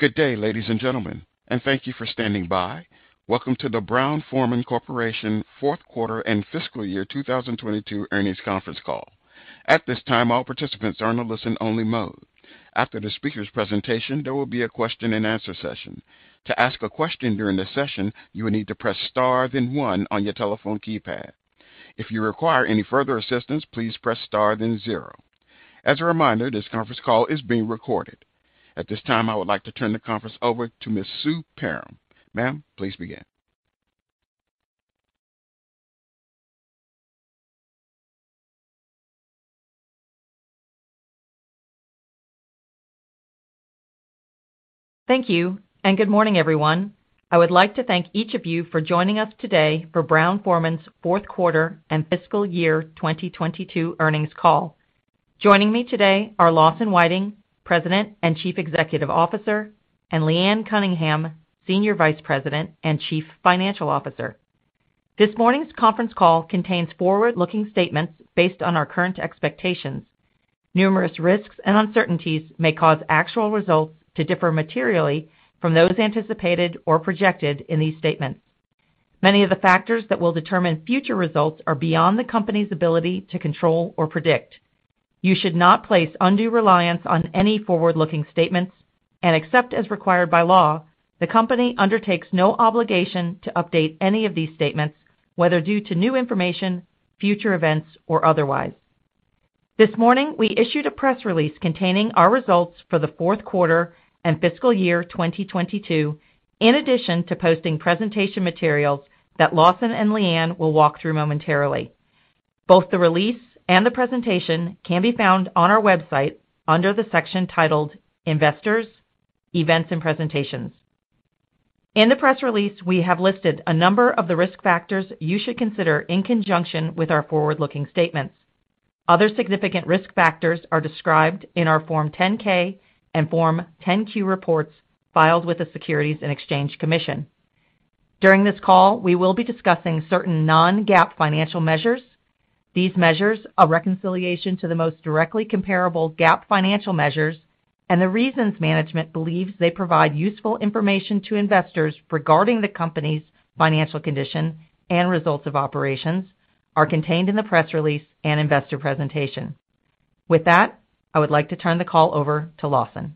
Good day, ladies and gentlemen, and thank you for standing by. Welcome to the Brown-Forman Corporation Fourth Quarter and Fiscal Year 2022 Earnings Conference Call. At this time, all participants are in a listen-only mode. After the speaker's presentation, there will be a question-and-answer session. To ask a question during the session, you will need to press star then one on your telephone keypad. If you require any further assistance, please press star then zero. As a reminder, this conference call is being recorded. At this time, I would like to turn the conference over to Ms. Sue Perram. Ma'am, please begin. Thank you, and good morning, everyone. I would like to thank each of you for joining us today for Brown-Forman's fourth quarter and fiscal year 2022 earnings call. Joining me today are Lawson Whiting, President and Chief Executive Officer, and Leanne Cunningham, Senior Vice President, and Chief Financial Officer. This morning's conference call contains forward-looking statements based on our current expectations. Numerous risks and uncertainties may cause actual results to differ materially from those anticipated or projected in these statements. Many of the factors that will determine future results are beyond the company's ability to control or predict. You should not place undue reliance on any forward-looking statements, and except as required by law, the company undertakes no obligation to update any of these statements, whether due to new information, future events, or otherwise. This morning, we issued a press release containing our results for the fourth quarter and fiscal year 2022, in addition to posting presentation materials that Lawson and Leanne will walk through momentarily. Both the release and the presentation can be found on our website under the section titled Investors, Events, and Presentations. In the press release, we have listed a number of the risk factors you should consider in conjunction with our forward-looking statements. Other significant risk factors are described in our Form 10-K and Form 10-Q reports filed with the Securities and Exchange Commission. During this call, we will be discussing certain non-GAAP financial measures. These measures, a reconciliation to the most directly comparable GAAP financial measures, and the reasons management believes they provide useful information to investors regarding the company's financial condition and results of operations, are contained in the press release and investor presentation. With that, I would like to turn the call over to Lawson.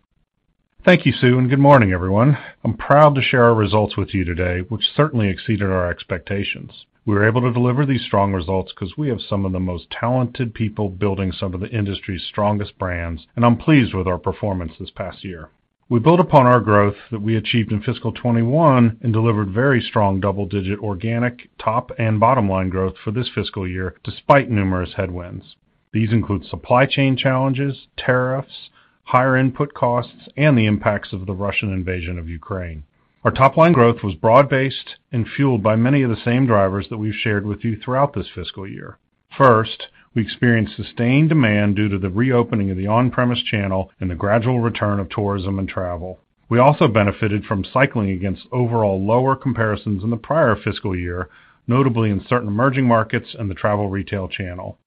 Thank you, Sue, and good morning, everyone. I'm proud to share our results with you today, which certainly exceeded our expectations. We were able to deliver these strong results 'cause we have some of the most talented people building some of the industry's strongest brands, and I'm pleased with our performance this past year. We built upon our growth that we achieved in fiscal 2021 and delivered very strong double-digit organic top and bottom line growth for this fiscal year, despite numerous headwinds. These include supply chain challenges, tariffs, higher input costs, and the impacts of the Russian invasion of Ukraine. Our top line growth was broad-based and fueled by many of the same drivers that we've shared with you throughout this fiscal year. First, we experienced sustained demand due to the reopening of the on-premise channel and the gradual return of tourism and travel. We also benefited from cycling against overall lower comparisons in the prior fiscal year, notably in certain emerging markets and the travel retail channel.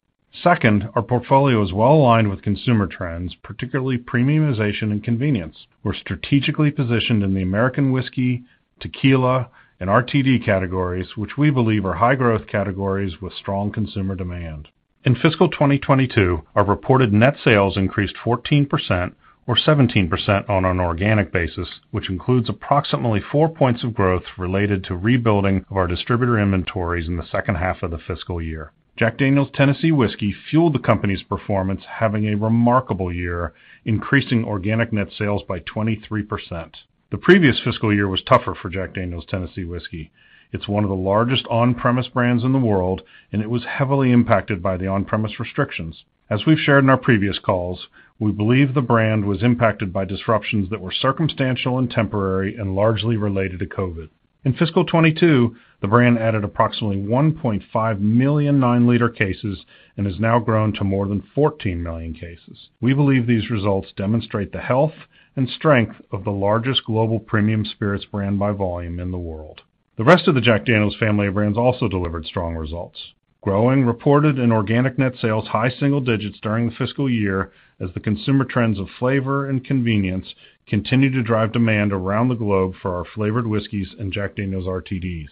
Second, our portfolio is well aligned with consumer trends, particularly premiumization and convenience. We're strategically positioned in the American whiskey, tequila, and RTD categories, which we believe are high-growth categories with strong consumer demand. In fiscal 2022, our reported net sales increased 14% or 17% on an organic basis, which includes approximately four points of growth related to rebuilding of our distributor inventories in the second half of the fiscal year. Jack Daniel's Tennessee Whiskey fueled the company's performance, having a remarkable year, increasing organic net sales by 23%. The previous fiscal year was tougher for Jack Daniel's Tennessee Whiskey. It's one of the largest on-premise brands in the world, and it was heavily impacted by the on-premise restrictions. As we've shared in our previous calls, we believe the brand was impacted by disruptions that were circumstantial and temporary and largely related to COVID. In fiscal 2022, the brand added approximately 1.5 million 9-L cases and has now grown to more than 14 million cases. We believe these results demonstrate the health and strength of the largest global premium spirits brand by volume in the world. The rest of the Jack Daniel's family of brands also delivered strong results, growing reported and organic net sales high single digits during the fiscal year as the consumer trends of flavor and convenience continue to drive demand around the globe for our flavored whiskeys and Jack Daniel's RTDs.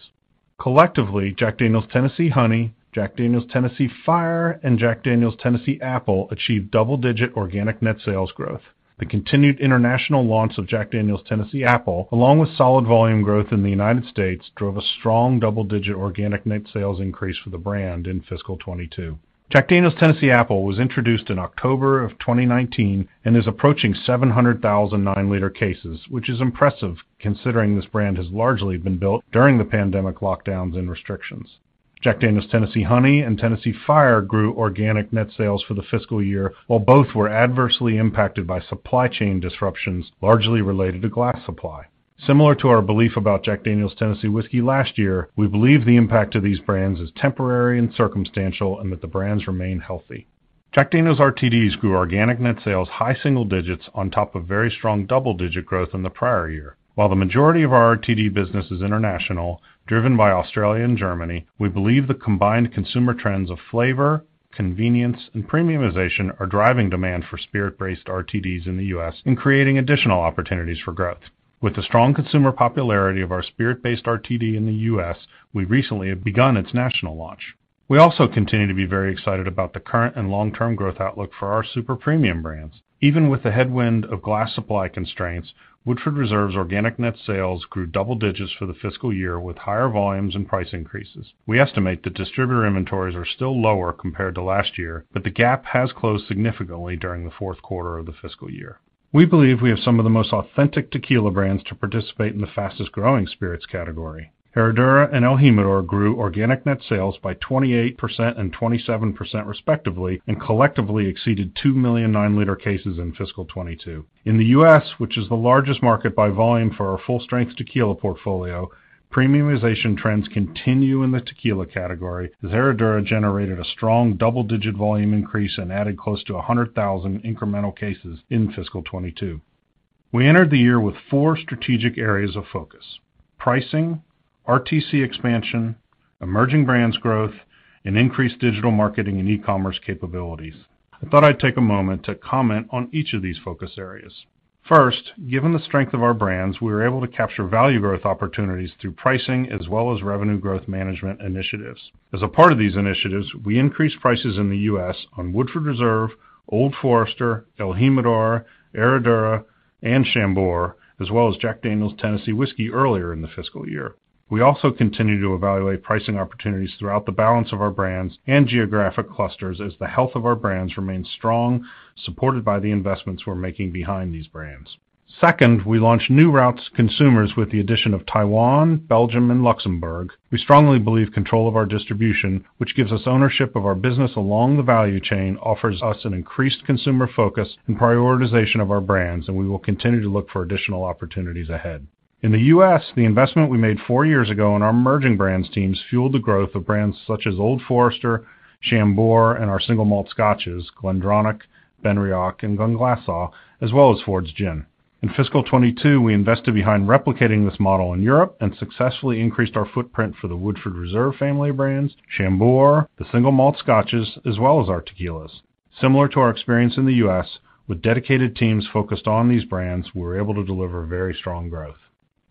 Collectively, Jack Daniel's Tennessee Honey, Jack Daniel's Tennessee Fire, and Jack Daniel's Tennessee Apple achieved double-digit organic net sales growth. The continued international launch of Jack Daniel's Tennessee Apple, along with solid volume growth in the United States, drove a strong double-digit organic net sales increase for the brand in fiscal 2022. Jack Daniel's Tennessee Apple was introduced in October 2019 and is approaching 700,000 9-L cases, which is impressive considering this brand has largely been built during the pandemic lockdowns and restrictions. Jack Daniel's Tennessee Honey and Tennessee Fire grew organic net sales for the fiscal year while both were adversely impacted by supply chain disruptions largely related to glass supply. Similar to our belief about Jack Daniel's Tennessee Whiskey last year, we believe the impact to these brands is temporary and circumstantial and that the brands remain healthy. Jack Daniel's RTDs grew organic net sales high single digits on top of very strong double-digit growth in the prior year. While the majority of our RTD business is international, driven by Australia and Germany, we believe the combined consumer trends of flavor, convenience, and premiumization are driving demand for spirit-based RTDs in the U.S. and creating additional opportunities for growth. With the strong consumer popularity of our spirit-based RTD in the U.S., we recently have begun its national launch. We also continue to be very excited about the current and long-term growth outlook for our super-premium brands. Even with the headwind of glass supply constraints, Woodford Reserve's organic net sales grew double digits for the fiscal year with higher volumes and price increases. We estimate that distributor inventories are still lower compared to last year, but the gap has closed significantly during the fourth quarter of the fiscal year. We believe we have some of the most authentic tequila brands to participate in the fastest-growing spirits category. Herradura and el Jimador grew organic net sales by 28% and 27% respectively and collectively exceeded two million 9-L cases in fiscal 2022. In the U.S., which is the largest market by volume for our full-strength tequila portfolio, premiumization trends continue in the tequila category as Herradura generated a strong double-digit volume increase and added close to 100,000 incremental cases in fiscal 2022. We entered the year with four strategic areas of focus, pricing, RTC expansion, emerging brands growth, and increased digital marketing and e-commerce capabilities. I thought I'd take a moment to comment on each of these focus areas. First, given the strength of our brands, we were able to capture value growth opportunities through pricing as well as revenue growth management initiatives. As a part of these initiatives, we increased prices in the U.S. on Woodford Reserve, Old Forester, el Jimador, Herradura, and Chambord, as well as Jack Daniel's Tennessee Whiskey earlier in the fiscal year. We also continue to evaluate pricing opportunities throughout the balance of our brands and geographic clusters as the health of our brands remains strong, supported by the investments we're making behind these brands. Second, we launched new routes to consumers with the addition of Taiwan, Belgium, and Luxembourg. We strongly believe control of our distribution, which gives us ownership of our business along the value chain, offers us an increased consumer focus and prioritization of our brands, and we will continue to look for additional opportunities ahead. In the U.S., the investment we made four years ago in our emerging brands teams fueled the growth of brands such as Old Forester, Chambord, and our single malt scotches, GlenDronach, Benriach, and Glenglassaugh, as well as Fords Gin. In fiscal 2022, we invested behind replicating this model in Europe and successfully increased our footprint for the Woodford Reserve family of brands, Chambord, the single malt scotches, as well as our tequilas. Similar to our experience in the U.S., with dedicated teams focused on these brands, we were able to deliver very strong growth.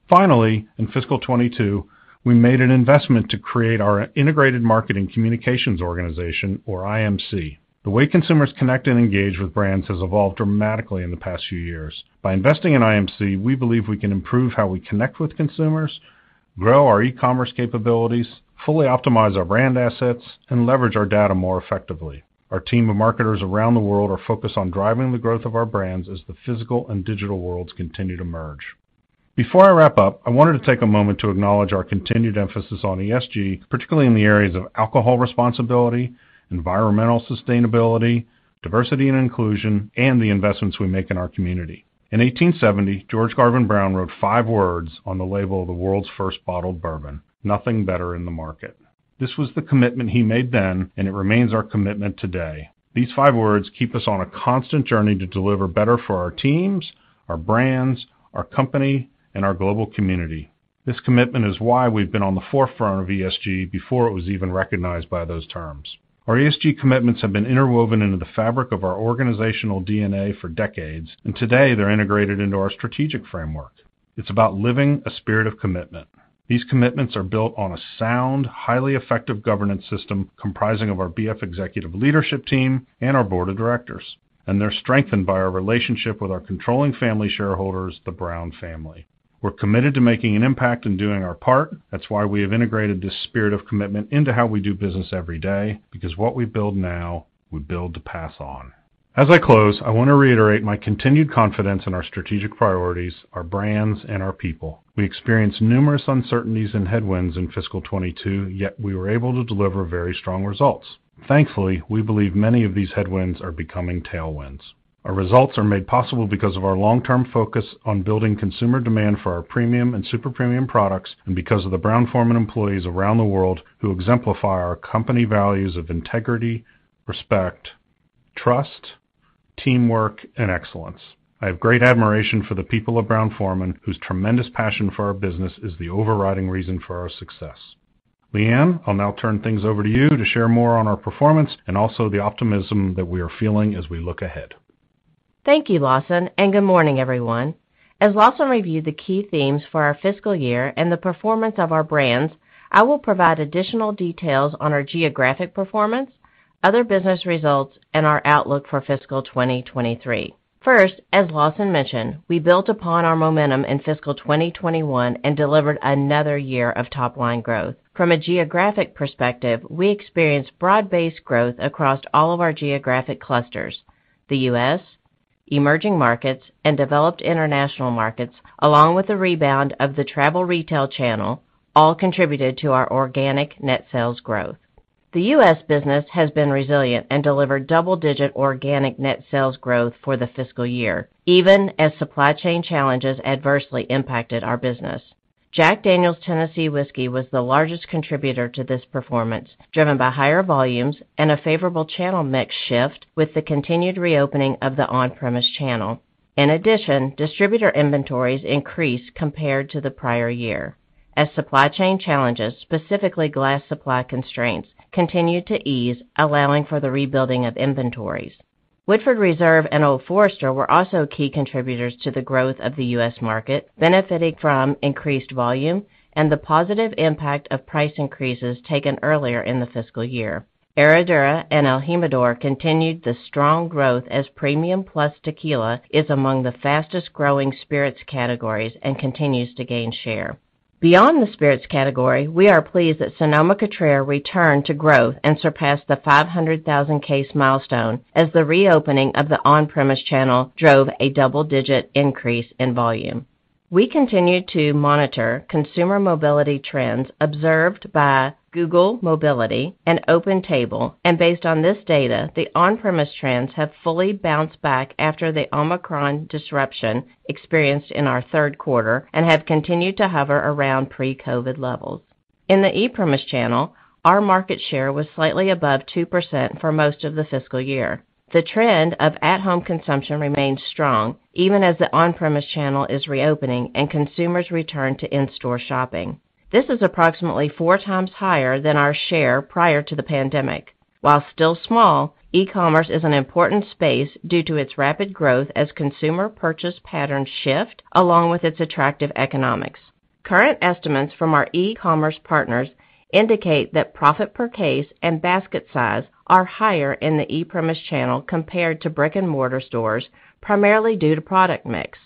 Finally, in fiscal 2022, we made an investment to create our Integrated Marketing Communications organization, or IMC. The way consumers connect and engage with brands has evolved dramatically in the past few years. By investing in IMC, we believe we can improve how we connect with consumers, grow our e-commerce capabilities, fully optimize our brand assets, and leverage our data more effectively. Our team of marketers around the world are focused on driving the growth of our brands as the physical and digital worlds continue to merge. Before I wrap up, I wanted to take a moment to acknowledge our continued emphasis on ESG, particularly in the areas of alcohol responsibility, environmental sustainability, diversity and inclusion, and the investments we make in our community. In 1870, George Garvin Brown wrote five words on the label of the world's first bottled bourbon, "Nothing better in the market." This was the commitment he made then, and it remains our commitment today. These five words keep us on a constant journey to deliver better for our teams, our brands, our company, and our global community. This commitment is why we've been on the forefront of ESG before it was even recognized by those terms. Our ESG commitments have been interwoven into the fabric of our organizational DNA for decades, and today they're integrated into our strategic framework. It's about living a spirit of commitment. These commitments are built on a sound, highly effective governance system comprising of our BF executive leadership team and our board of directors, and they're strengthened by our relationship with our controlling family shareholders, the Brown family. We're committed to making an impact and doing our part. That's why we have integrated this spirit of commitment into how we do business every day, because what we build now, we build to pass on. As I close, I want to reiterate my continued confidence in our strategic priorities, our brands, and our people. We experienced numerous uncertainties and headwinds in fiscal 2022, yet we were able to deliver very strong results. Thankfully, we believe many of these headwinds are becoming tailwinds. Our results are made possible because of our long-term focus on building consumer demand for our premium and super-premium products and because of the Brown-Forman employees around the world who exemplify our company values of integrity, respect, trust, teamwork, and excellence. I have great admiration for the people of Brown-Forman, whose tremendous passion for our business is the overriding reason for our success. Leanne, I'll now turn things over to you to share more on our performance and also the optimism that we are feeling as we look ahead. Thank you, Lawson, and good morning, everyone. As Lawson reviewed the key themes for our fiscal year and the performance of our brands, I will provide additional details on our geographic performance, other business results, and our outlook for fiscal 2023. First, as Lawson mentioned, we built upon our momentum in fiscal 2021 and delivered another year of top-line growth. From a geographic perspective, we experienced broad-based growth across all of our geographic clusters. The U.S., emerging markets, and developed international markets, along with the rebound of the travel retail channel, all contributed to our organic net sales growth. The U.S. business has been resilient and delivered double-digit organic net sales growth for the fiscal year, even as supply chain challenges adversely impacted our business. Jack Daniel's Tennessee Whiskey was the largest contributor to this performance, driven by higher volumes and a favorable channel mix shift with the continued reopening of the on-premise channel. In addition, distributor inventories increased compared to the prior year as supply chain challenges, specifically glass supply constraints, continued to ease, allowing for the rebuilding of inventories. Woodford Reserve and Old Forester were also key contributors to the growth of the U.S. market, benefiting from increased volume and the positive impact of price increases taken earlier in the fiscal year. Herradura and el Jimador continued the strong growth as premium plus tequila is among the fastest-growing spirits categories and continues to gain share. Beyond the spirits category, we are pleased that Sonoma-Cutrer returned to growth and surpassed the 500,000-case milestone as the reopening of the on-premise channel drove a double-digit increase in volume. We continue to monitor consumer mobility trends observed by Google Mobility and OpenTable, and based on this data, the on-premise trends have fully bounced back after the Omicron disruption experienced in our third quarter and have continued to hover around pre-COVID levels. In the e-premise channel, our market share was slightly above 2% for most of the fiscal year. The trend of at-home consumption remains strong, even as the on-premise channel is reopening and consumers return to in-store shopping. This is approximately four times higher than our share prior to the pandemic. While still small, e-commerce is an important space due to its rapid growth as consumer purchase patterns shift along with its attractive economics. Current estimates from our e-commerce partners indicate that profit per case and basket size are higher in the e-premise channel compared to brick-and-mortar stores, primarily due to product mix.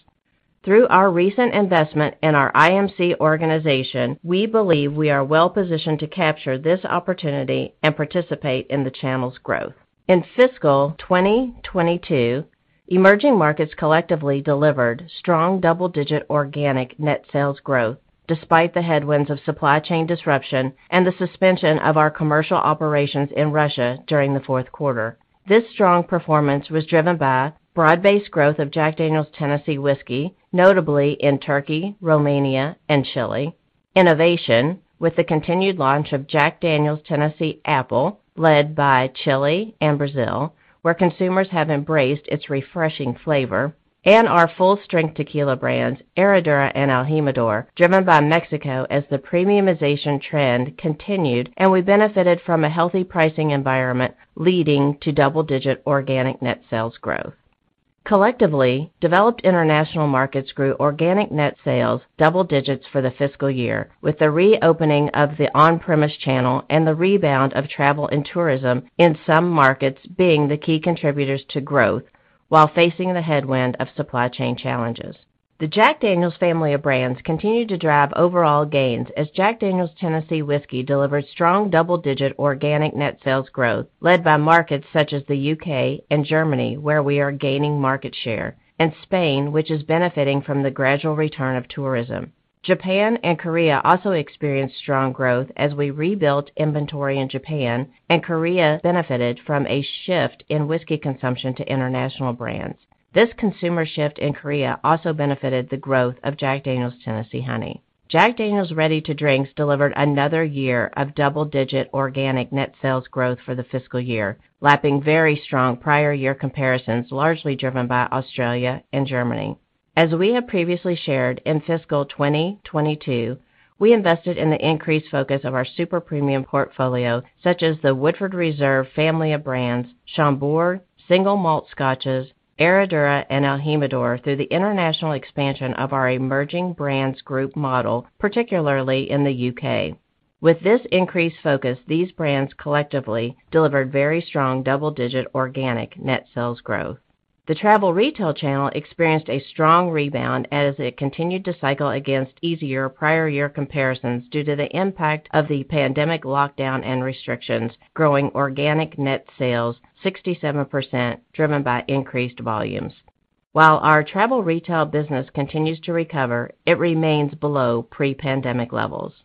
Through our recent investment in our IMC organization, we believe we are well-positioned to capture this opportunity and participate in the channel's growth. In fiscal 2022, emerging markets collectively delivered strong double-digit organic net sales growth despite the headwinds of supply chain disruption and the suspension of our commercial operations in Russia during the fourth quarter. This strong performance was driven by broad-based growth of Jack Daniel's Tennessee Whiskey, notably in Turkey, Romania, and Chile. Innovation with the continued launch of Jack Daniel's Tennessee Apple, led by Chile, and Brazil, where consumers have embraced its refreshing flavor, and our full-strength tequila brands, Herradura and el Jimador, driven by Mexico as the premiumization trend continued, and we benefited from a healthy pricing environment leading to double-digit organic net sales growth. Collectively, developed international markets grew organic net sales double digits for the fiscal year, with the reopening of the on-premise channel and the rebound of travel and tourism in some markets being the key contributors to growth while facing the headwind of supply chain challenges. The Jack Daniel's family of brands continued to drive overall gains as Jack Daniel's Tennessee Whiskey delivered strong double-digit organic net sales growth led by markets such as the U.K. and Germany, where we are gaining market share, and Spain, which is benefiting from the gradual return of tourism. Japan and Korea also experienced strong growth as we rebuilt inventory in Japan, and Korea benefited from a shift in whiskey consumption to international brands. This consumer shift in Korea also benefited the growth of Jack Daniel's Tennessee Honey. Jack Daniel's ready-to-drinks delivered another year of double-digit organic net sales growth for the fiscal year, lapping very strong prior year comparisons, largely driven by Australia and Germany. As we have previously shared, in fiscal 2022, we invested in the increased focus of our super premium portfolio, such as the Woodford Reserve family of brands, Chambord, Single Malt Scotches, Herradura, and el Jimador through the international expansion of our emerging brands group model, particularly in the U.K. With this increased focus, these brands collectively delivered very strong double-digit organic net sales growth. The travel retail channel experienced a strong rebound as it continued to cycle against easier prior year comparisons due to the impact of the pandemic lockdown and restrictions, growing organic net sales 67%, driven by increased volumes. While our travel retail business continues to recover, it remains below pre-pandemic levels.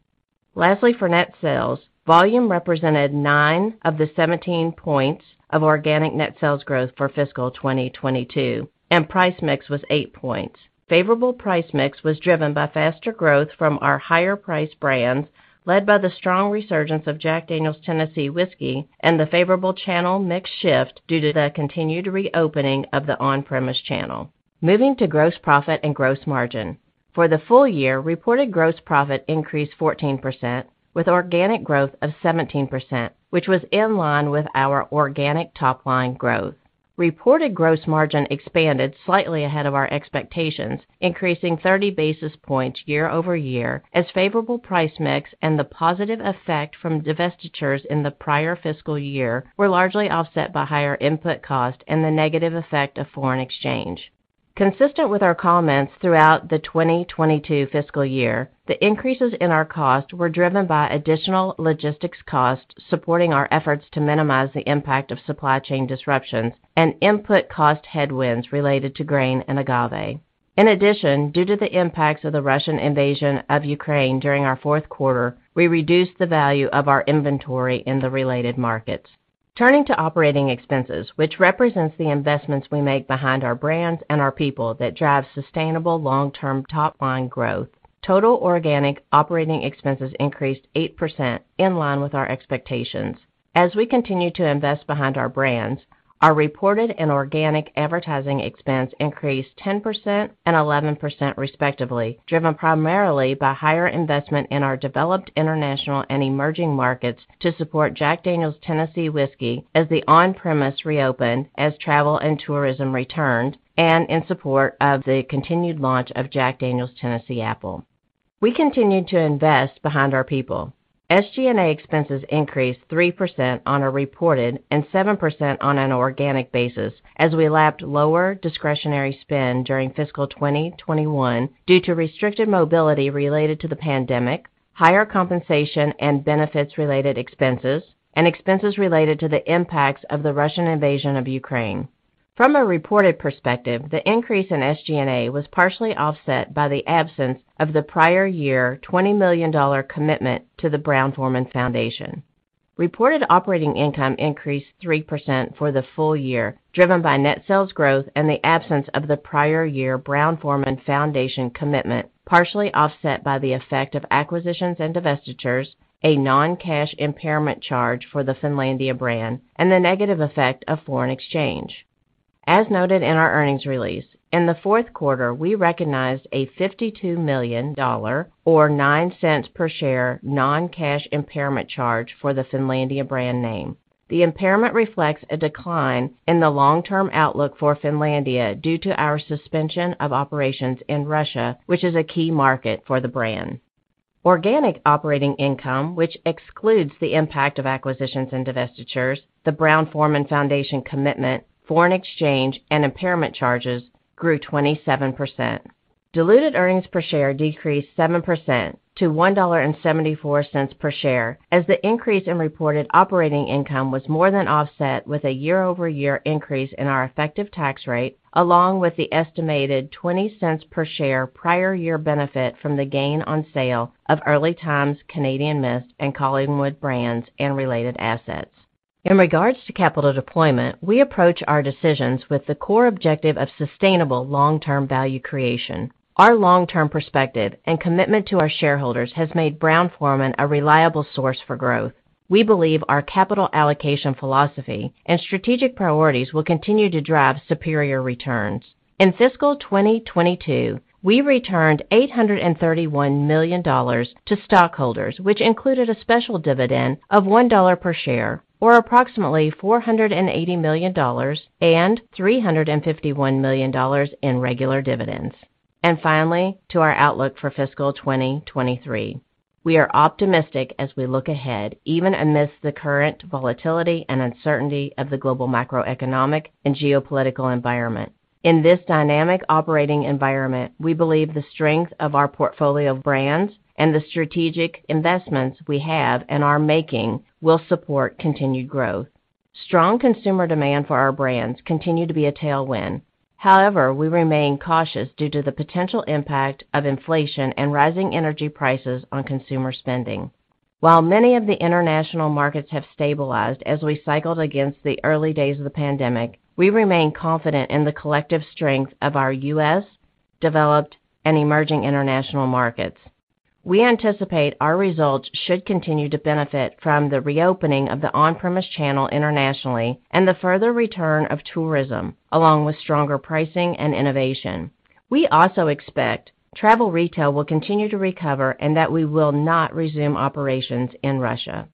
Lastly, for net sales, volume represented nine of the 17 points of organic net sales growth for fiscal 2022, and price mix was eight points. Favorable price mix was driven by faster growth from our higher-priced brands, led by the strong resurgence of Jack Daniel's Tennessee Whiskey and the favorable channel mix shift due to the continued reopening of the on-premise channel. Moving to gross profit and gross margin. For the full year, reported gross profit increased 14% with organic growth of 17%, which was in line with our organic top-line growth. Reported gross margin expanded slightly ahead of our expectations, increasing 30 basis points year-over-year as favorable price mix and the positive effect from divestitures in the prior fiscal year were largely offset by higher input cost and the negative effect of foreign exchange. Consistent with our comments throughout the 2022 fiscal year, the increases in our cost were driven by additional logistics costs supporting our efforts to minimize the impact of supply chain disruptions and input cost headwinds related to grain and agave. In addition, due to the impacts of the Russian invasion of Ukraine during our fourth quarter, we reduced the value of our inventory in the related markets. Turning to operating expenses, which represents the investments we make behind our brands and our people that drive sustainable long-term top-line growth. Total organic operating expenses increased 8% in line with our expectations. As we continue to invest behind our brands, our reported and organic advertising expense increased 10% and 11% respectively, driven primarily by higher investment in our developed international and emerging markets to support Jack Daniel's Tennessee Whiskey as the on-premise reopened, as travel and tourism returned, and in support of the continued launch of Jack Daniel's Tennessee Apple. We continued to invest behind our people. SG&A expenses increased 3% on a reported and 7% on an organic basis as we lapped lower discretionary spend during fiscal 2021 due to restricted mobility related to the pandemic, higher compensation, and benefits related expenses, and expenses related to the impacts of the Russian invasion of Ukraine. From a reported perspective, the increase in SG&A was partially offset by the absence of the prior year $20 million commitment to the Brown-Forman Foundation. Reported operating income increased 3% for the full year, driven by net sales growth and the absence of the prior year Brown-Forman Foundation commitment, partially offset by the effect of acquisitions and divestitures, a non-cash impairment charge for the Finlandia brand, and the negative effect of foreign exchange. As noted in our earnings release, in the fourth quarter, we recognized a $52 million or $0.09 per share non-cash impairment charge for the Finlandia brand name. The impairment reflects a decline in the long-term outlook for Finlandia due to our suspension of operations in Russia, which is a key market for the brand. Organic operating income, which excludes the impact of acquisitions and divestitures, the Brown-Forman Foundation commitment, foreign exchange, and impairment charges grew 27%. Diluted earnings per share decreased 7% to $1.74 per share, as the increase in reported operating income was more than offset with a year-over-year increase in our effective tax rate, along with the estimated $0.20 per share prior year benefit from the gain on sale of Early Times, Canadian Mist, and Collingwood brands and related assets. In regards to capital deployment, we approach our decisions with the core objective of sustainable long-term value creation. Our long-term perspective and commitment to our shareholders has made Brown-Forman a reliable source for growth. We believe our capital allocation philosophy and strategic priorities will continue to drive superior returns. In fiscal 2022, we returned $831 million to stockholders, which included a special dividend of $1 per share, or approximately $480 million and $351 million in regular dividends. Finally, to our outlook for fiscal 2023. We are optimistic as we look ahead, even amidst the current volatility and uncertainty of the global macroeconomic and geopolitical environment. In this dynamic operating environment, we believe the strength of our portfolio of brands and the strategic investments we have and are making will support continued growth. Strong consumer demand for our brands continue to be a tailwind. However, we remain cautious due to the potential impact of inflation and rising energy prices on consumer spending. While many of the international markets have stabilized as we cycled against the early days of the pandemic, we remain confident in the collective strength of our U.S., developed, and emerging international markets. We anticipate our results should continue to benefit from the reopening of the on-premise channel internationally and the further return of tourism, along with stronger pricing and innovation. We also expect travel retail will continue to recover and that we will not resume operations in Russia.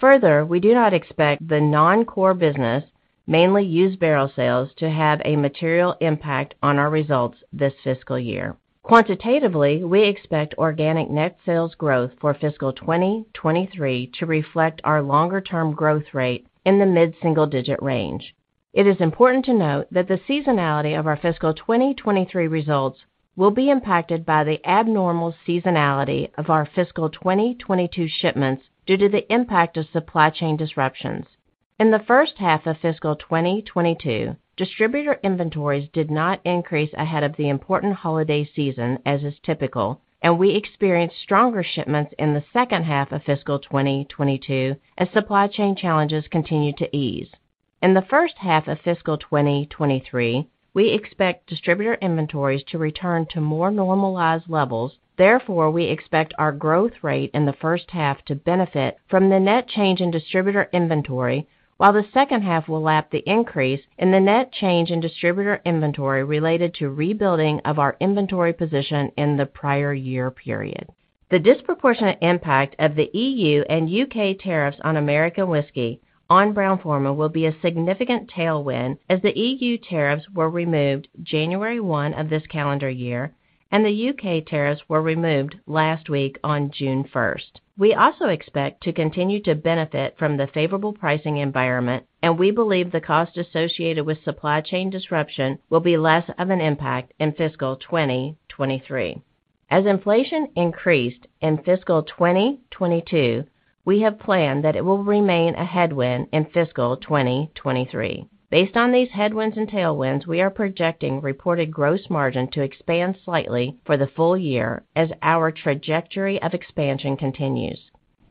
Further, we do not expect the non-core business, mainly used barrel sales, to have a material impact on our results this fiscal year. Quantitatively, we expect organic net sales growth for fiscal 2023 to reflect our longer-term growth rate in the mid-single digit range. It is important to note that the seasonality of our fiscal 2023 results will be impacted by the abnormal seasonality of our fiscal 2022 shipments due to the impact of supply chain disruptions. In the first half of fiscal 2022, distributor inventories did not increase ahead of the important holiday season, as is typical, and we experienced stronger shipments in the second half of fiscal 2022 as supply chain challenges continued to ease. In the first half of fiscal 2023, we expect distributor inventories to return to more normalized levels. Therefore, we expect our growth rate in the first half to benefit from the net change in distributor inventory, while the second half will lap the increase in the net change in distributor inventory related to rebuilding of our inventory position in the prior year period. The disproportionate impact of the E.U. and U.K. tariffs on American whiskey on Brown-Forman will be a significant tailwind as the E.U. tariffs were removed January 1 of this calendar year and the U.K. tariffs were removed last week on June 1. We also expect to continue to benefit from the favorable pricing environment, and we believe the cost associated with supply chain disruption will be less of an impact in fiscal 2023. As inflation increased in fiscal 2022, we have planned that it will remain a headwind in fiscal 2023. Based on these headwinds and tailwinds, we are projecting reported gross margin to expand slightly for the full year as our trajectory of expansion continues.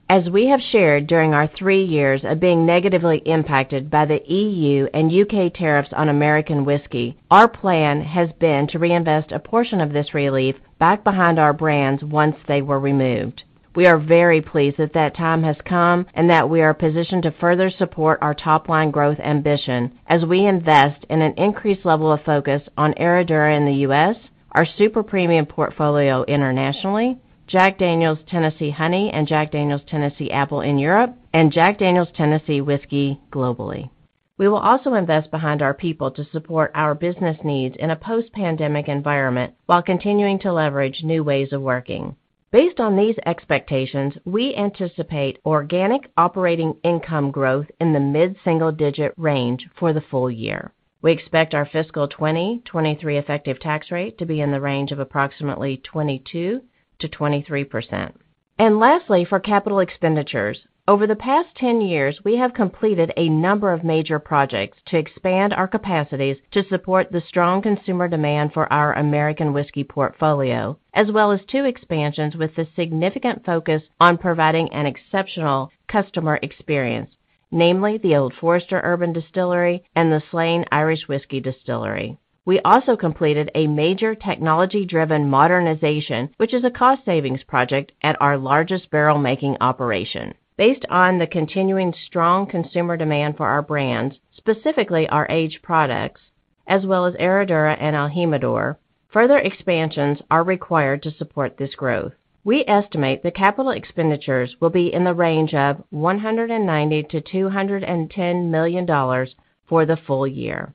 As we have shared during our three years of being negatively impacted by the E.U. and U.K. tariffs on American whiskey, our plan has been to reinvest a portion of this relief back behind our brands once they were removed. We are very pleased that that time has come, and that we are positioned to further support our top-line growth ambition as we invest in an increased level of focus on Herradura in the U.S., our super premium portfolio internationally, Jack Daniel's Tennessee Honey, and Jack Daniel's Tennessee Apple in Europe, and Jack Daniel's Tennessee Whiskey globally. We will also invest behind our people to support our business needs in a post-pandemic environment while continuing to leverage new ways of working. Based on these expectations, we anticipate organic operating income growth in the mid-single digit range for the full year. We expect our fiscal 2023 effective tax rate to be in the range of approximately 22%-23%. Lastly, for capital expenditures. Over the past 10 years, we have completed a number of major projects to expand our capacities to support the strong consumer demand for our American whiskey portfolio, as well as two expansions with a significant focus on providing an exceptional customer experience, namely the Old Forester Urban Distillery and the Slane Irish Whiskey Distillery. We also completed a major technology-driven modernization, which is a cost savings project at our largest barrel-making operation. Based on the continuing strong consumer demand for our brands, specifically our aged products, as well as Herradura and el Jimador, further expansions are required to support this growth. We estimate the capital expenditures will be in the range of $190 million-$210 million for the full year.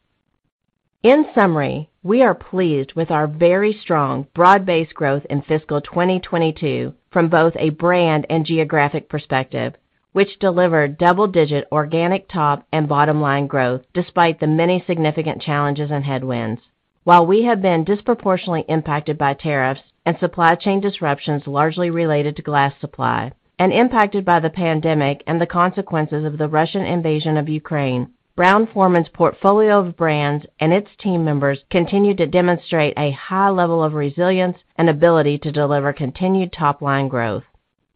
In summary, we are pleased with our very strong broad-based growth in fiscal 2022 from both a brand and geographic perspective, which delivered double-digit organic top and bottom line growth despite the many significant challenges and headwinds. While we have been disproportionately impacted by tariffs and supply chain disruptions, largely related to glass supply, and impacted by the pandemic and the consequences of the Russian invasion of Ukraine, Brown-Forman's portfolio of brands and its team members continued to demonstrate a high level of resilience and ability to deliver continued top-line growth.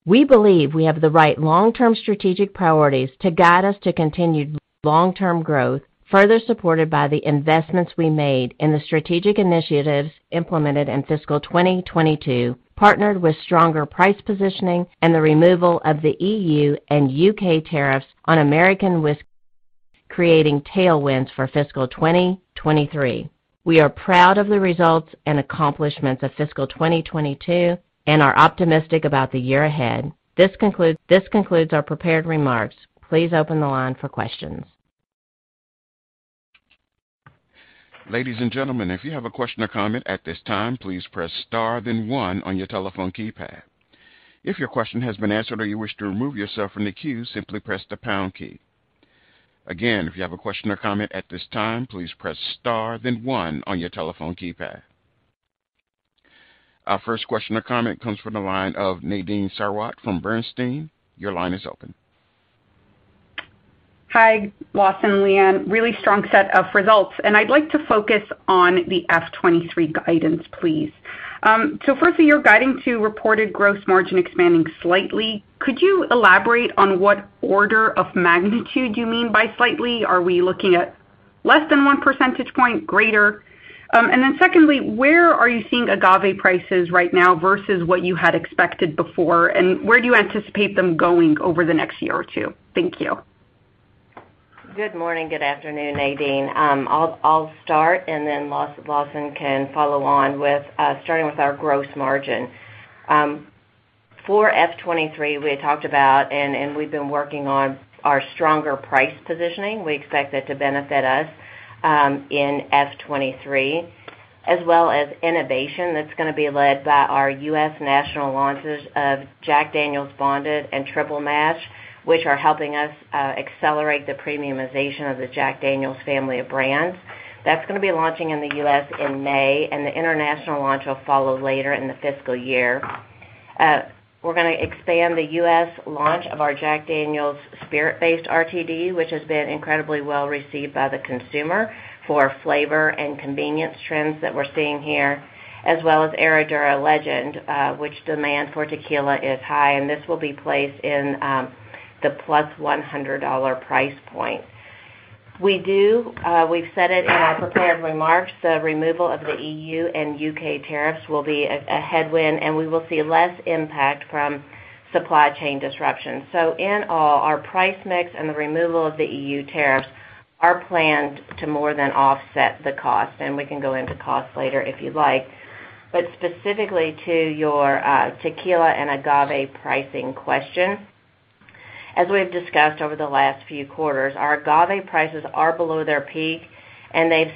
We believe we have the right long-term strategic priorities to guide us to continued long-term growth, further supported by the investments we made in the strategic initiatives implemented in fiscal 2022, partnered with stronger price positioning and the removal of the E.U. and U.K. tariffs on American whiskey, creating tailwinds for fiscal 2023. We are proud of the results and accomplishments of fiscal 2022 and are optimistic about the year ahead. This concludes our prepared remarks. Please open the line for questions. Ladies and gentlemen, if you have a question or comment at this time, please press star then one on your telephone keypad. If your question has been answered or you wish to remove yourself from the queue, simply press the pound key. Again, if you have a question or comment at this time, please press star then one on your telephone keypad. Our first question or comment comes from the line of Nadine Sarwat from Bernstein. Your line is open. Hi, Lawson, Leanne. Really strong set of results, and I'd like to focus on the FY 2023 guidance, please. Firstly, you're guiding to reported gross margin expanding slightly. Could you elaborate on what order of magnitude you mean by slightly? Are we looking at less than 1% point, greater? Secondly, where are you seeing agave prices right now versus what you had expected before? And where do you anticipate them going over the next year or two? Thank you. Good morning, good afternoon, Nadine. I'll start, and then Lawson can follow on with starting with our gross margin. For F 23, we had talked about and we've been working on our stronger price positioning. We expect that to benefit us in F 23, as well as innovation that's gonna be led by our U.S. national launches of Jack Daniel's Bonded and Jack Daniel's Triple Mash, which are helping us accelerate the premiumization of the Jack Daniel's family of brands. That's gonna be launching in the U.S. in May, and the international launch will follow later in the fiscal year. We're gonna expand the U.S. Launch of our Jack Daniel's spirit-based RTD, which has been incredibly well received by the consumer for flavor and convenience trends that we're seeing here, as well as Herradura Legend, which demand for tequila is high, and this will be placed in the plus $100 price point. We do, we've said it in our prepared remarks, the removal of the E.U. and U.K. Tariffs will be a headwind, and we will see less impact from supply chain disruptions. In all, our price mix and the removal of the E.U. tariffs are planned to more than offset the cost, and we can go into cost later if you'd like. Specifically to your tequila and agave pricing question, as we've discussed over the last few quarters, our agave prices are below their peak, and they've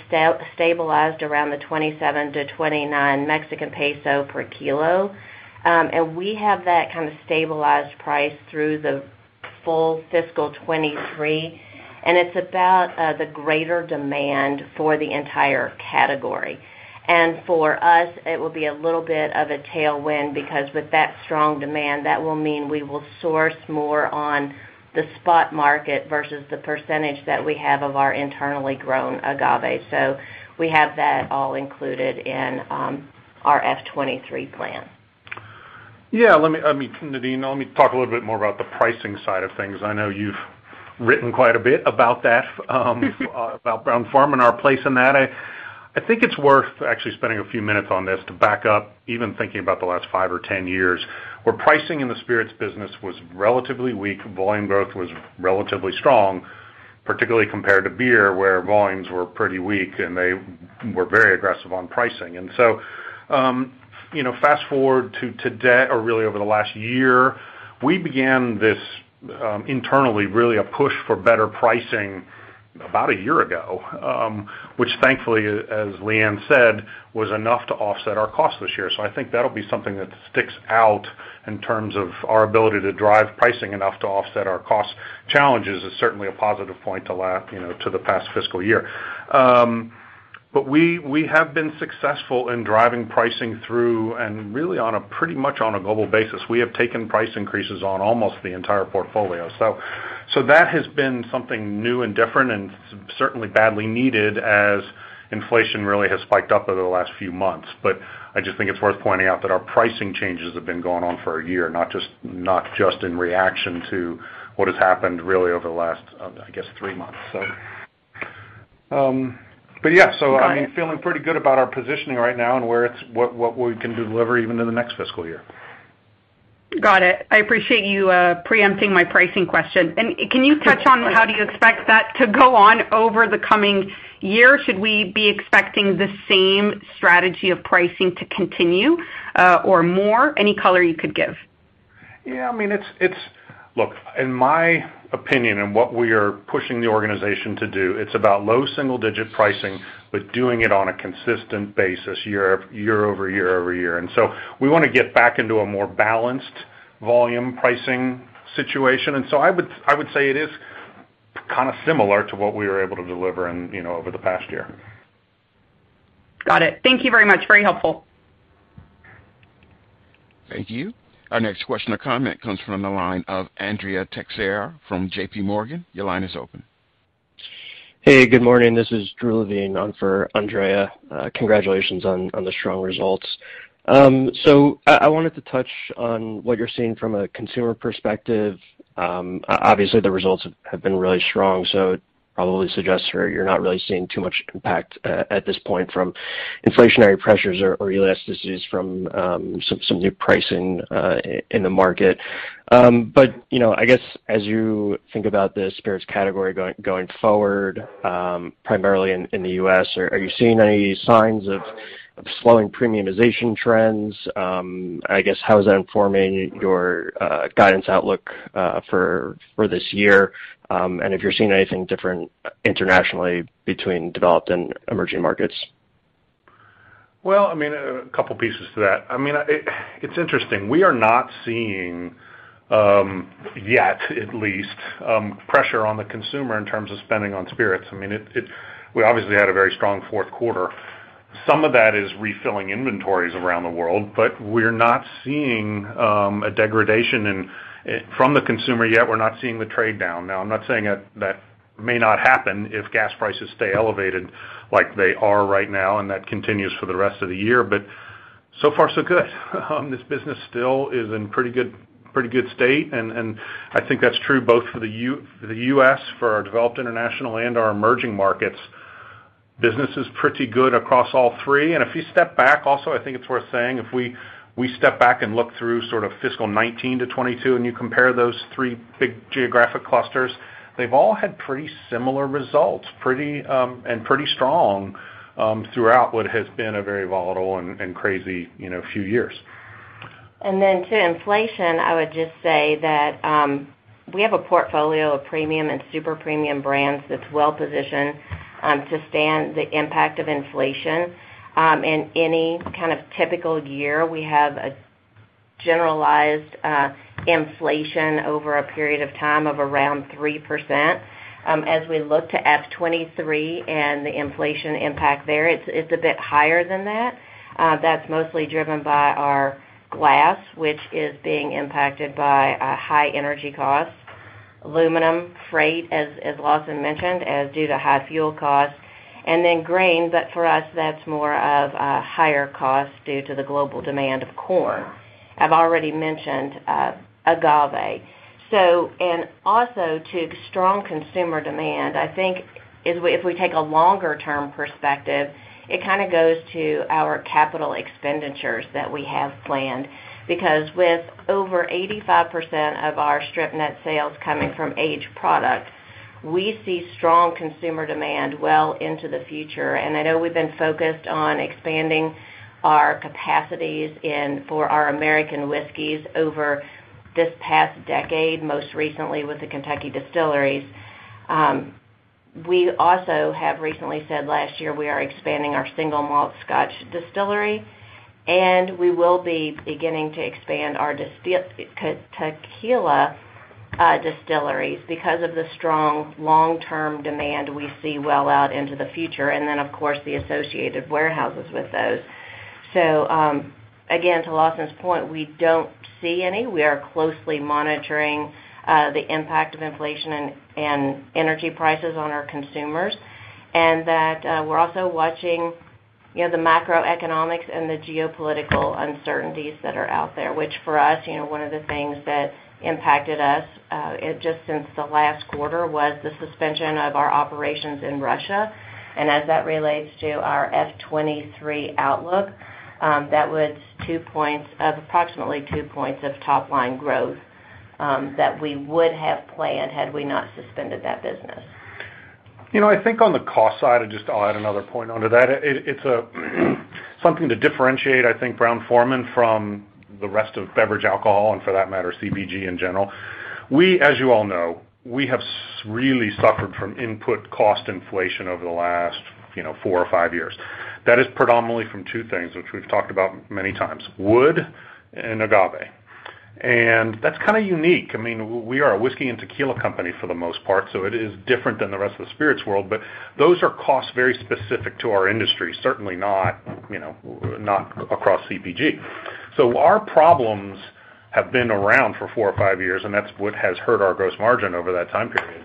stabilized around 27-29 Mexican peso per kilo. We have that kind of stabilized price through the full fiscal 2023, and it's about the greater demand for the entire category. For us, it will be a little bit of a tailwind because with that strong demand, that will mean we will source more on the spot market versus the percentage that we have of our internally grown agave. We have that all included in our FY 2023 plan. Yeah, let me, I mean, Nadine, let me talk a little bit more about the pricing side of things. I know you've written quite a bit about that, about Brown-Forman, our place in that. I think it's worth actually spending a few minutes on this to back up even thinking about the last five or 10 years, where pricing in the spirits business was relatively weak, volume growth was relatively strong, particularly compared to beer, where volumes were pretty weak, and they were very aggressive on pricing. You know, fast-forward to today or really over the last year, we began this internally really a push for better pricing about a year ago, which thankfully, as Leanne said, was enough to offset our costs this year. I think that'll be something that sticks out in terms of our ability to drive pricing enough to offset our cost challenges. It's certainly a positive point to look, you know, to the past fiscal year. We have been successful in driving pricing through and really on a pretty much global basis. We have taken price increases on almost the entire portfolio. That has been something new and different and certainly badly needed as inflation really has spiked up over the last few months. I just think it's worth pointing out that our pricing changes have been going on for a year, not just in reaction to what has happened really over the last, I guess, three months. Yeah, I'm feeling pretty good about our positioning right now and what we can deliver even in the next fiscal year. Got it. I appreciate you, preempting my pricing question. Can you touch on how do you expect that to go on over the coming year? Should we be expecting the same strategy of pricing to continue, or more? Any color you could give. Yeah, I mean, it's look, in my opinion, and what we are pushing the organization to do, it's about low single-digit pricing, but doing it on a consistent basis year-over-year. We wanna get back into a more balanced volume pricing situation. I would say it is kinda similar to what we were able to deliver in, you know, over the past year. Got it. Thank you very much. Very helpful. Thank you. Our next question or comment comes from the line of Andrea Teixeira from JPMorgan. Your line is open. Hey, good morning. This is Drew Levine on for Andrea. Congratulations on the strong results. I wanted to touch on what you're seeing from a consumer perspective. Obviously, the results have been really strong, so it probably suggests you're not really seeing too much impact at this point from inflationary pressures or elasticities from some new pricing in the market. You know, I guess as you think about the spirits category going forward, primarily in the U.S., are you seeing any signs of slowing premiumization trends? I guess how is that informing your guidance outlook for this year? If you're seeing anything different internationally between developed and emerging markets. Well, I mean, a couple pieces to that. I mean, it's interesting. We are not seeing yet at least pressure on the consumer in terms of spending on spirits. I mean, it—we obviously had a very strong fourth quarter. Some of that is refilling inventories around the world, but we're not seeing a degradation in from the consumer yet. We're not seeing the trade down. Now, I'm not saying that may not happen if gas prices stay elevated like they are right now, and that continues for the rest of the year, but so far so good. This business still is in pretty good state, and I think that's true both for the U.S., for our developed international and our emerging markets. Business is pretty good across all three. If you step back also, I think it's worth saying if we step back and look through sort of fiscal 2019-2022, and you compare those three big geographic clusters, they've all had pretty similar results and pretty strong throughout what has been a very volatile and crazy, you know, few years. To inflation, I would just say that we have a portfolio of premium and super-premium brands that's well-positioned to withstand the impact of inflation. In any kind of typical year, we have general inflation over a period of time of around 3%. As we look to FY 2023 and the inflation impact there, it's a bit higher than that. That's mostly driven by our glass, which is being impacted by high energy costs, aluminum, freight, as Lawson mentioned, due to high fuel costs, and then grain. But for us, that's more of a higher cost due to the global demand for corn. I've already mentioned agave. Due to strong consumer demand, I think if we take a longer-term perspective, it kinda goes to our capital expenditures that we have planned. Because with over 85% of our strip net sales coming from aged products, we see strong consumer demand well into the future. I know we've been focused on expanding our capacities and for our American whiskeys over this past decade, most recently with the Kentucky distilleries. We also have recently said last year we are expanding our single malt Scotch distillery, and we will be beginning to expand our tequila distilleries because of the strong long-term demand we see well out into the future. Then, of course, the associated warehouses with those. Again, to Lawson's point, we don't see any. We are closely monitoring the impact of inflation and energy prices on our consumers. We're also watching, you know, the macroeconomics and the geopolitical uncertainties that are out there, which for us, you know, one of the things that impacted us just since the last quarter was the suspension of our operations in Russia. As that relates to our FY 2023 outlook, that was approximately two points of top-line growth that we would have planned had we not suspended that business. You know, I think on the cost side, I just I'll add another point onto that. It's something to differentiate, I think, Brown-Forman from the rest of beverage alcohol, and for that matter, CPG in general. We, as you all know, we have really suffered from input cost inflation over the last, you know, four or five years. That is predominantly from two things, which we've talked about many times, wood and agave. That's kinda unique. I mean, we are a whiskey and tequila company for the most part, so it is different than the rest of the spirits world. Those are costs very specific to our industry, certainly not, you know, not across CPG. Our problems have been around for four or five years, and that's what has hurt our gross margin over that time period.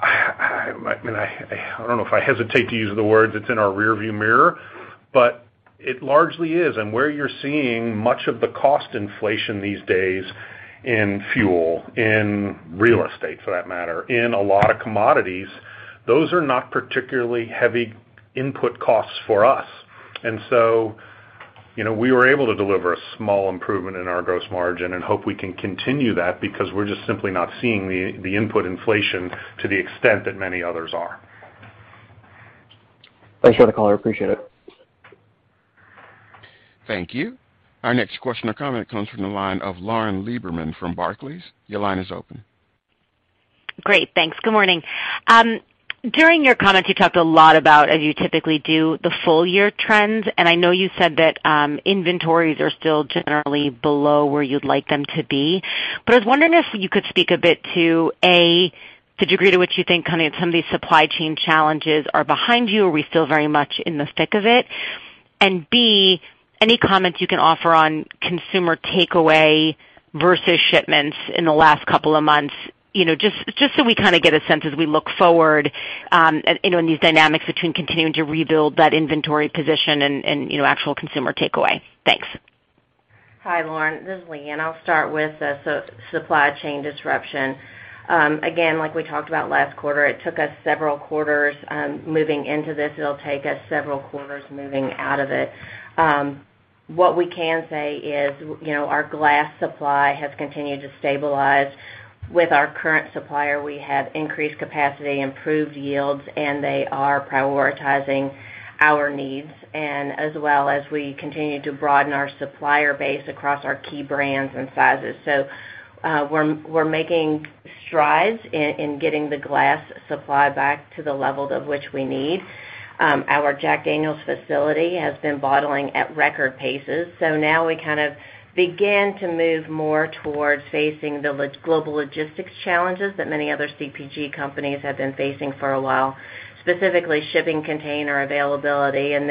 I mean, I don't know if I hesitate to use the words it's in our rearview mirror, but it largely is. Where you're seeing much of the cost inflation these days in fuel, in real estate for that matter, in a lot of commodities, those are not particularly heavy input costs for us. You know, we were able to deliver a small improvement in our gross margin and hope we can continue that because we're just simply not seeing the input inflation to the extent that many others are. Thanks for the call. I appreciate it. Thank you. Our next question or comment comes from the line of Lauren Lieberman from Barclays. Your line is open. Great. Thanks. Good morning. During your comments, you talked a lot about, as you typically do, the full year trends, and I know you said that inventories are still generally below where you'd like them to be. I was wondering if you could speak a bit to, A, the degree to which you think kind of some of these supply chain challenges are behind you or are we still very much in the thick of it? And B, any comments you can offer on consumer takeaway versus shipments in the last couple of months, you know, just so we kinda get a sense as we look forward, you know, in these dynamics between continuing to rebuild that inventory position and you know, actual consumer takeaway. Thanks. Hi, Lauren Lieberman. This is Leanne Cunningham. I'll start with the supply chain disruption. Again, like we talked about last quarter, it took us several quarters moving into this. It'll take us several quarters moving out of it. What we can say is, you know, our glass supply has continued to stabilize. With our current supplier, we have increased capacity, improved yields, and they are prioritizing our needs, as well as we continue to broaden our supplier base across our key brands and sizes. We're making strides in getting the glass supply back to the level of which we need. Our Jack Daniel's facility has been bottling at record paces. Now we kind of begin to move more towards facing the global logistics challenges that many other CPG companies have been facing for a while, specifically shipping container availability. In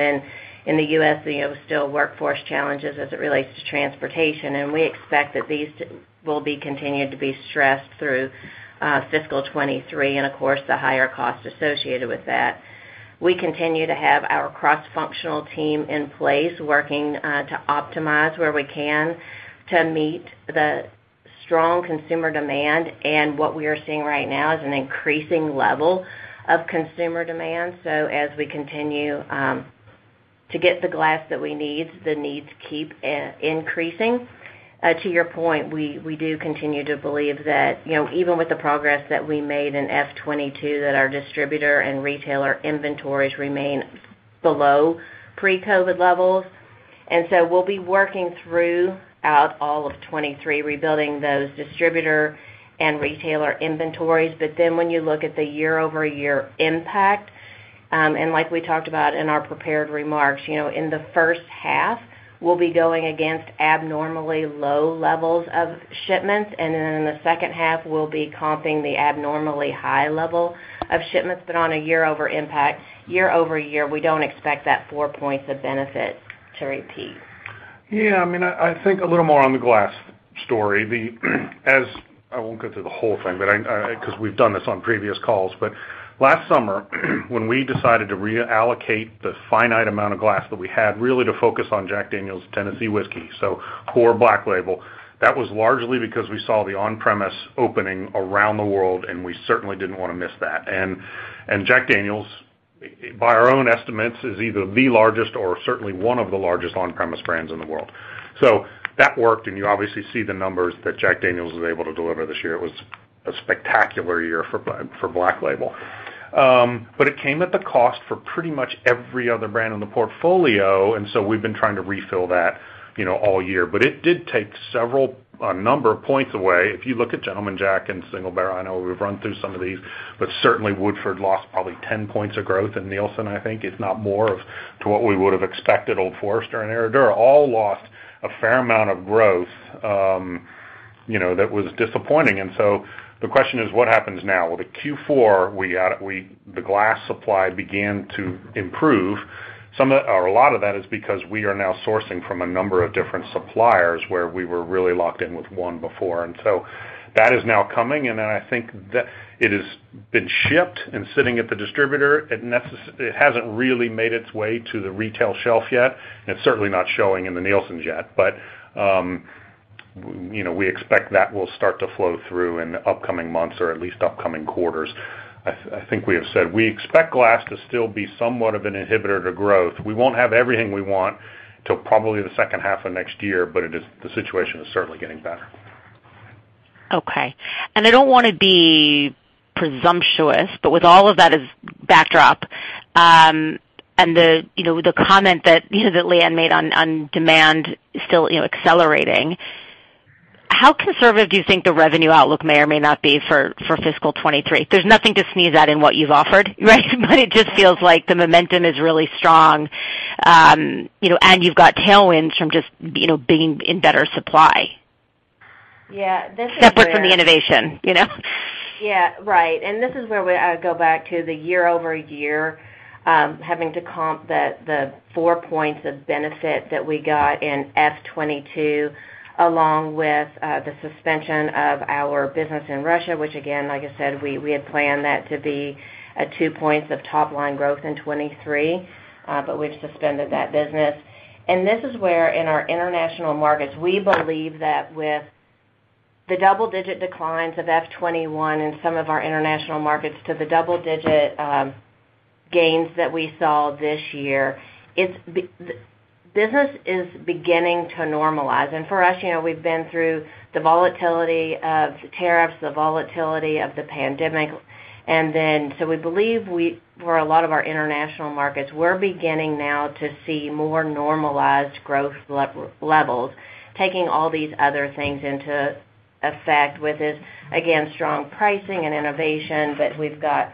the U.S., you know, still workforce challenges as it relates to transportation, and we expect that these will be continued to be stressed through fiscal 2023 and of course the higher cost associated with that. We continue to have our cross-functional team in place working to optimize where we can to meet the strong consumer demand. What we are seeing right now is an increasing level of consumer demand. As we continue to get the glass that we need, the needs keep increasing. To your point, we do continue to believe that, you know, even with the progress that we made in fiscal 2022, that our distributor and retailer inventories remain below pre-COVID levels. We'll be working throughout all of 2023, rebuilding those distributor and retailer inventories. When you look at the year-over-year impact, and like we talked about in our prepared remarks, you know, in the first half we'll be going against abnormally low levels of shipments, and then in the second half we'll be comping the abnormally high level of shipments. On a year-over-year impact, year-over-year, we don't expect that four points of benefit to repeat. Yeah. I mean, I think a little more on the glass story. I won't go through the whole thing, but because we've done this on previous calls. Last summer, when we decided to reallocate the finite amount of glass that we had really to focus on Jack Daniel's Tennessee Whiskey, so core Black Label, that was largely because we saw the on-premise opening around the world, and we certainly didn't wanna miss that. Jack Daniel's, by our own estimates, is either the largest or certainly one of the largest on-premise brands in the world. So that worked, and you obviously see the numbers that Jack Daniel's was able to deliver this year. It was a spectacular year for Black Label. It came at the cost for pretty much every other brand in the portfolio, and so we've been trying to refill that, you know, all year. It did take several, a number of points away. If you look at Gentleman Jack and Single Barrel, I know we've run through some of these, but certainly Woodford lost probably 10 points of growth in Nielsen, I think, if not more, to what we would've expected. Old Forester and Herradura all lost a fair amount of growth, you know, that was disappointing. The question is, what happens now? Well, the Q4, we—the glass supply began to improve. Some of that or a lot of that is because we are now sourcing from a number of different suppliers, where we were really locked in with one before. That is now coming, and then I think that it's been shipped and sitting at the distributor. It hasn't really made its way to the retail shelf yet, and it's certainly not showing in the Nielsen yet. You know, we expect that will start to flow through in the upcoming months or at least upcoming quarters. I think we have said we expect glass to still be somewhat of an inhibitor to growth. We won't have everything we want till probably the second half of next year, but it is. The situation is certainly getting better. Okay. I don't wanna be presumptuous, but with all of that as backdrop, and the, you know, the comment that, you know, that Leanne made on demand still, you know, accelerating, how conservative do you think the revenue outlook may or may not be for fiscal 2023? There's nothing to sneeze at in what you've offered, right? It just feels like the momentum is really strong, you know, and you've got tailwinds from just, you know, being in better supply. Yeah. This is where. Separate from the innovation, you know? This is where I go back to the year-over-year, having to comp the four points of benefit that we got in FY 2022, along with the suspension of our business in Russia, which again, like I said, we had planned that to be two points of top-line growth in 2023, but we've suspended that business. This is where, in our international markets, we believe that with the double-digit declines of FY 2021 in some of our international markets to the double-digit gains that we saw this year, business is beginning to normalize. For us, you know, we've been through the volatility of the tariffs, the volatility of the pandemic, and then so we believe we, for a lot of our international markets, we're beginning now to see more normalized growth levels, taking all these other things into effect with this, again, strong pricing and innovation. We've got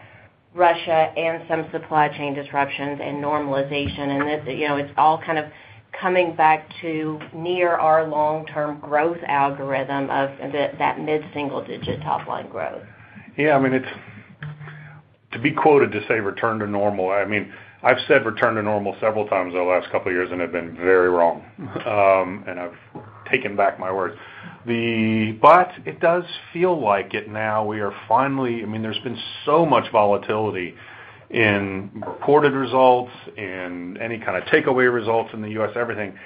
Russia and some supply chain disruptions and normalization. It, you know, it's all kind of coming back to near our long-term growth algorithm of that mid-single digit top line growth. Yeah, I mean, it's to be quoted to say return to normal. I mean, I've said return to normal several times over the last couple of years, and I've been very wrong. I've taken back my words. It does feel like it now. We are finally. I mean, there's been so much volatility in reported results, in any kind of takeaway results in the U.S., everything.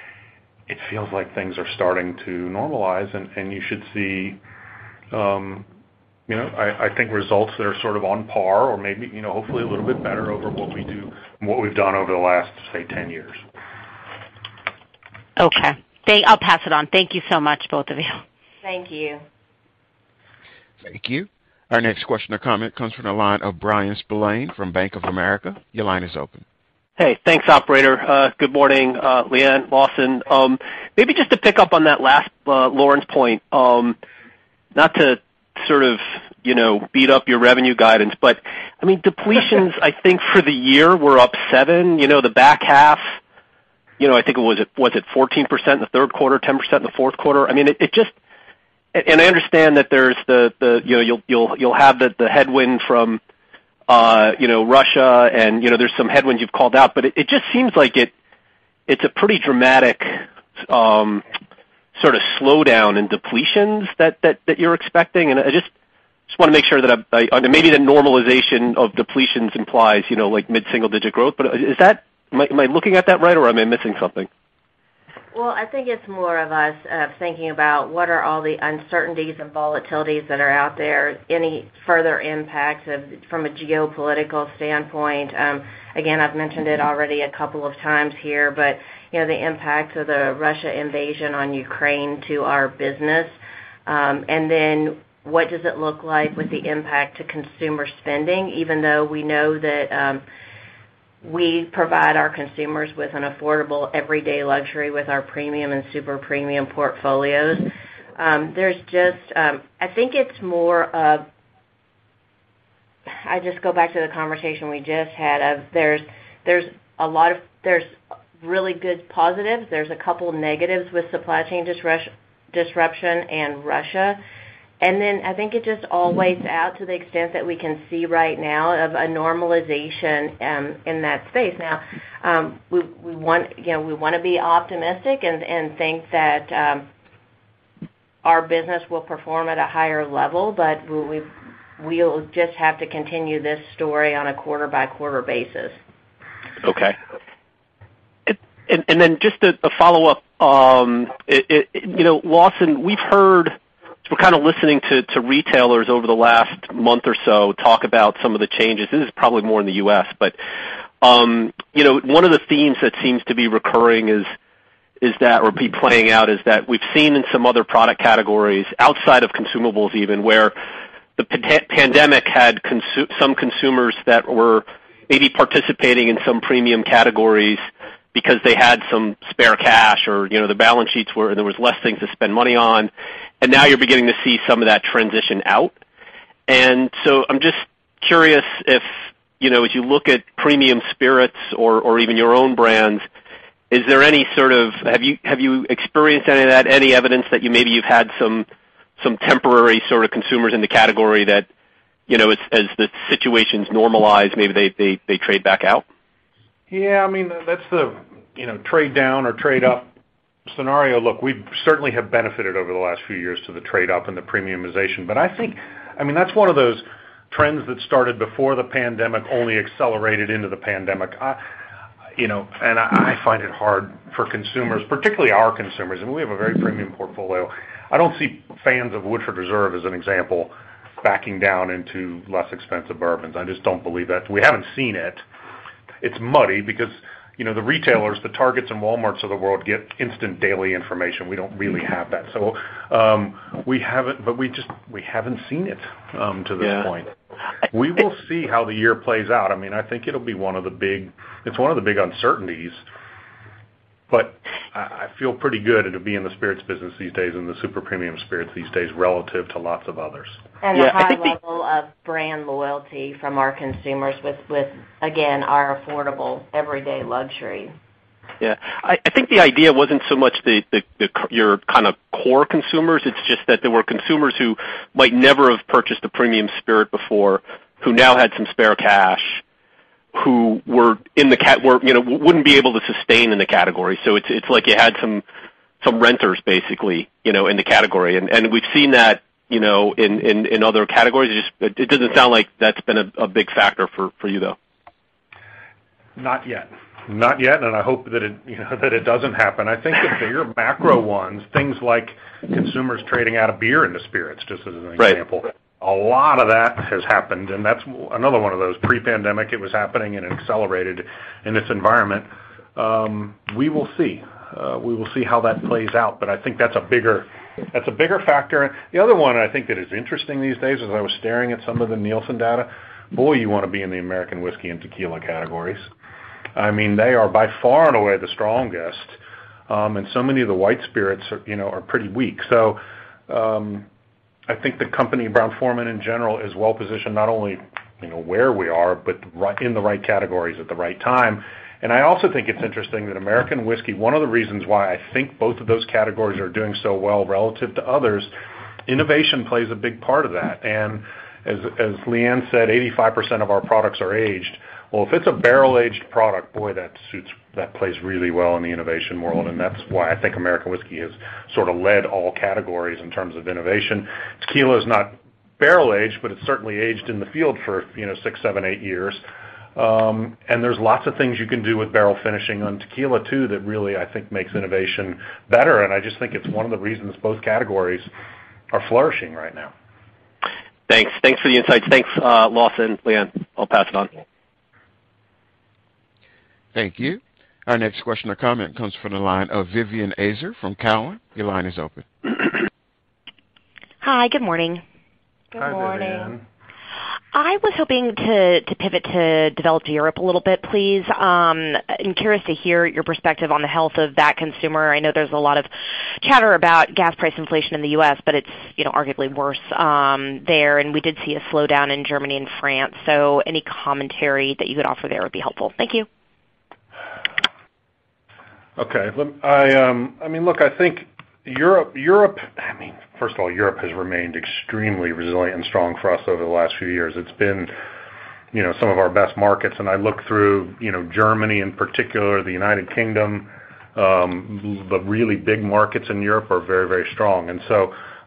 It feels like things are starting to normalize, and you should see, you know, I think results that are sort of on par or maybe, you know, hopefully a little bit better over what we've done over the last, say, 10 years. Okay. I'll pass it on. Thank you so much, both of you. Thank you. Thank you. Our next question or comment comes from the line of Bryan Spillane from Bank of America. Your line is open. Hey, thanks, operator. Good morning, Leanne, Lawson. Maybe just to pick up on that last Lauren's point, not to sort of, you know, beat up your revenue guidance, but I mean, depletions, I think, for the year were up 7%. You know, the back half, you know, I think it was 14% in the third quarter, 10% in the fourth quarter. I mean, it just. I understand that there's the, you know, you'll have the headwind from, you know, Russia and, you know, there's some headwinds you've called out, but it just seems like it's a pretty dramatic sort of slowdown in depletions that you're expecting. I just wanna make sure that I. Maybe the normalization of depletions implies, you know, like mid-single digit growth, but is that. Am I looking at that right, or am I missing something? Well, I think it's more of us thinking about what are all the uncertainties and volatilities that are out there, any further impacts from a geopolitical standpoint. Again, I've mentioned it already a couple of times here, but you know, the impact of the Russian invasion of Ukraine to our business. Then what does it look like with the impact to consumer spending, even though we know that we provide our consumers with an affordable everyday luxury with our premium and super premium portfolios. There's just. I think it's more of I just go back to the conversation we just had. There's a lot of really good positives. There's a couple negatives with supply chain disruption in Russia. I think it just all weighs out to the extent that we can see right now of a normalization in that space. Now, we want, you know, we wanna be optimistic and think that our business will perform at a higher level, but we'll just have to continue this story on a quarter-by-quarter basis. Okay. Then just a follow-up. You know, Lawson, we've heard we're kinda listening to retailers over the last month or so talk about some of the changes. This is probably more in the U.S., but, you know, one of the themes that seems to be recurring is that, or being played out is that we've seen in some other product categories outside of consumables even, where the pandemic had some consumers that were maybe participating in some premium categories because they had some spare cash or, you know, there was less things to spend money on, and now you're beginning to see some of that transition out. I'm just curious if, you know, as you look at premium spirits or even your own brands, is there any sort of. Have you experienced any of that, any evidence that you maybe you've had some temporary sort of consumers in the category that, you know, as the situations normalize, maybe they trade back out? Yeah, I mean, that's the, you know, trade down or trade up scenario. Look, we certainly have benefited over the last few years to the trade up and the premiumization. I think. I mean, that's one of those trends that started before the pandemic, only accelerated into the pandemic. You know, I find it hard for consumers, particularly our consumers, and we have a very premium portfolio. I don't see fans of Woodford Reserve, as an example, backing down into less expensive bourbons. I just don't believe that. We haven't seen it. It's muddy because, you know, the retailers, the Target and Walmart of the world get instant daily information. We don't really have that. So, we haven't seen it to this point. Yeah. We will see how the year plays out. I mean, I think it'll be one of the big uncertainties, but I feel pretty good to be in the spirits business these days, in the super premium spirits these days, relative to lots of others. A high level of brand loyalty from our consumers with again, our affordable everyday luxury. Yeah. I think the idea wasn't so much your kind of core consumers. It's just that there were consumers who might never have purchased a premium spirit before, who now had some spare cash, who were, you know, wouldn't be able to sustain in the category. It's like you had some renters basically, you know, in the category. We've seen that, you know, in other categories. It just doesn't sound like that's been a big factor for you, though. Not yet. Not yet, and I hope that it, you know, that it doesn't happen. I think the bigger macro ones, things like consumers trading out of beer into spirits, just as an example. Right. A lot of that has happened, and that's another one of those pre-pandemic, it was happening, and it accelerated in this environment. We will see. We will see how that plays out, but I think that's a bigger factor. The other one I think that is interesting these days, as I was staring at some of the Nielsen data, boy, you wanna be in the American whiskey and tequila categories. I mean, they are by far and away the strongest, and so many of the white spirits are, you know, are pretty weak. So, I think the company Brown-Forman in general is well-positioned not only, you know, where we are, but in the right categories at the right time. I also think it's interesting that American whiskey, one of the reasons why I think both of those categories are doing so well relative to others, innovation plays a big part of that. As Leanne said, 85% of our products are aged. Well, if it's a barrel-aged product, boy, that suits, that plays really well in the innovation world, and that's why I think American whiskey has sort of led all categories in terms of innovation. Tequila is not barrel-aged, but it's certainly aged in the field for, you know, six, seven, eight years. There's lots of things you can do with barrel finishing on tequila too, that really, I think, makes innovation better, and I just think it's one of the reasons both categories are flourishing right now. Thanks. Thanks for the insights. Thanks, Lawson, Leanne. I'll pass it on. Thank you. Our next question or comment comes from the line of Vivien Azer from Cowen. Your line is open. Hi, good morning. Hi, Vivien. Good morning. I was hoping to pivot to developed Europe a little bit, please. I'm curious to hear your perspective on the health of that consumer. I know there's a lot of chatter about gas price inflation in the U.S., but it's, you know, arguably worse there, and we did see a slowdown in Germany and France. Any commentary that you could offer there would be helpful. Thank you. Okay. I mean, look, I think Europe, first of all, Europe has remained extremely resilient and strong for us over the last few years. It's been, you know, some of our best markets, and I look through, you know, Germany in particular, the United Kingdom, the really big markets in Europe are very, very strong.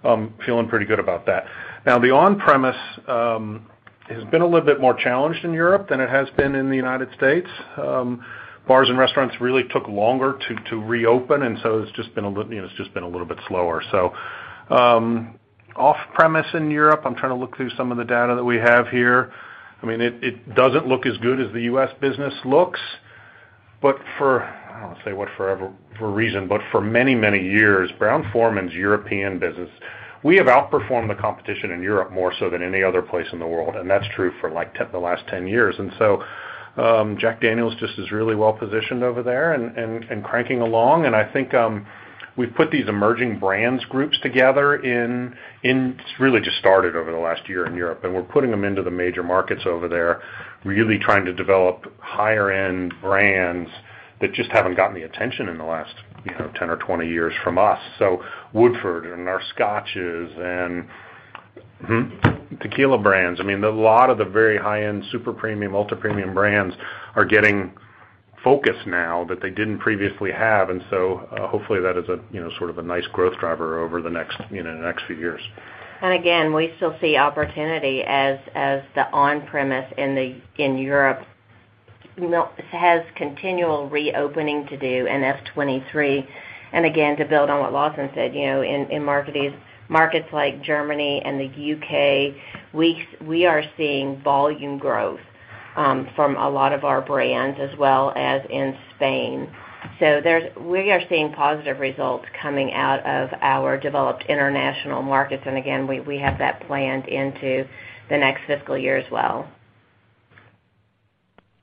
I'm feeling pretty good about that. Now, the on-premise has been a little bit more challenged in Europe than it has been in the United States. Bars and restaurants really took longer to reopen, and it's just been, you know, a little bit slower. Off-premise in Europe, I'm trying to look through some of the data that we have here. I mean, it doesn't look as good as the U.S. business looks, but for, I don't know, for a reason, but for many, many years, Brown-Forman's European business, we have outperformed the competition in Europe more so than any other place in the world, and that's true for, like, the last 10 years. Jack Daniel's just is really well-positioned over there and cranking along. I think we've put these emerging brands groups together in. It's really just started over the last year in Europe, and we're putting them into the major markets over there, really trying to develop higher-end brands that just haven't gotten the attention in the last, you know, 10 or 20 years from us. Woodford and our scotches and tequila brands. I mean, a lot of the very high-end, super premium, ultra-premium brands are getting focus now that they didn't previously have. Hopefully that is a, you know, sort of a nice growth driver over the next, you know, next few years. We still see opportunity as the on-premise in Europe still has continual reopening to do in FY 2023. Again, to build on what Lawson said, you know, in markets like Germany and the U.K., we are seeing volume growth from a lot of our brands, as well as in Spain. We are seeing positive results coming out of our developed international markets. Again, we have that planned into the next fiscal year as well.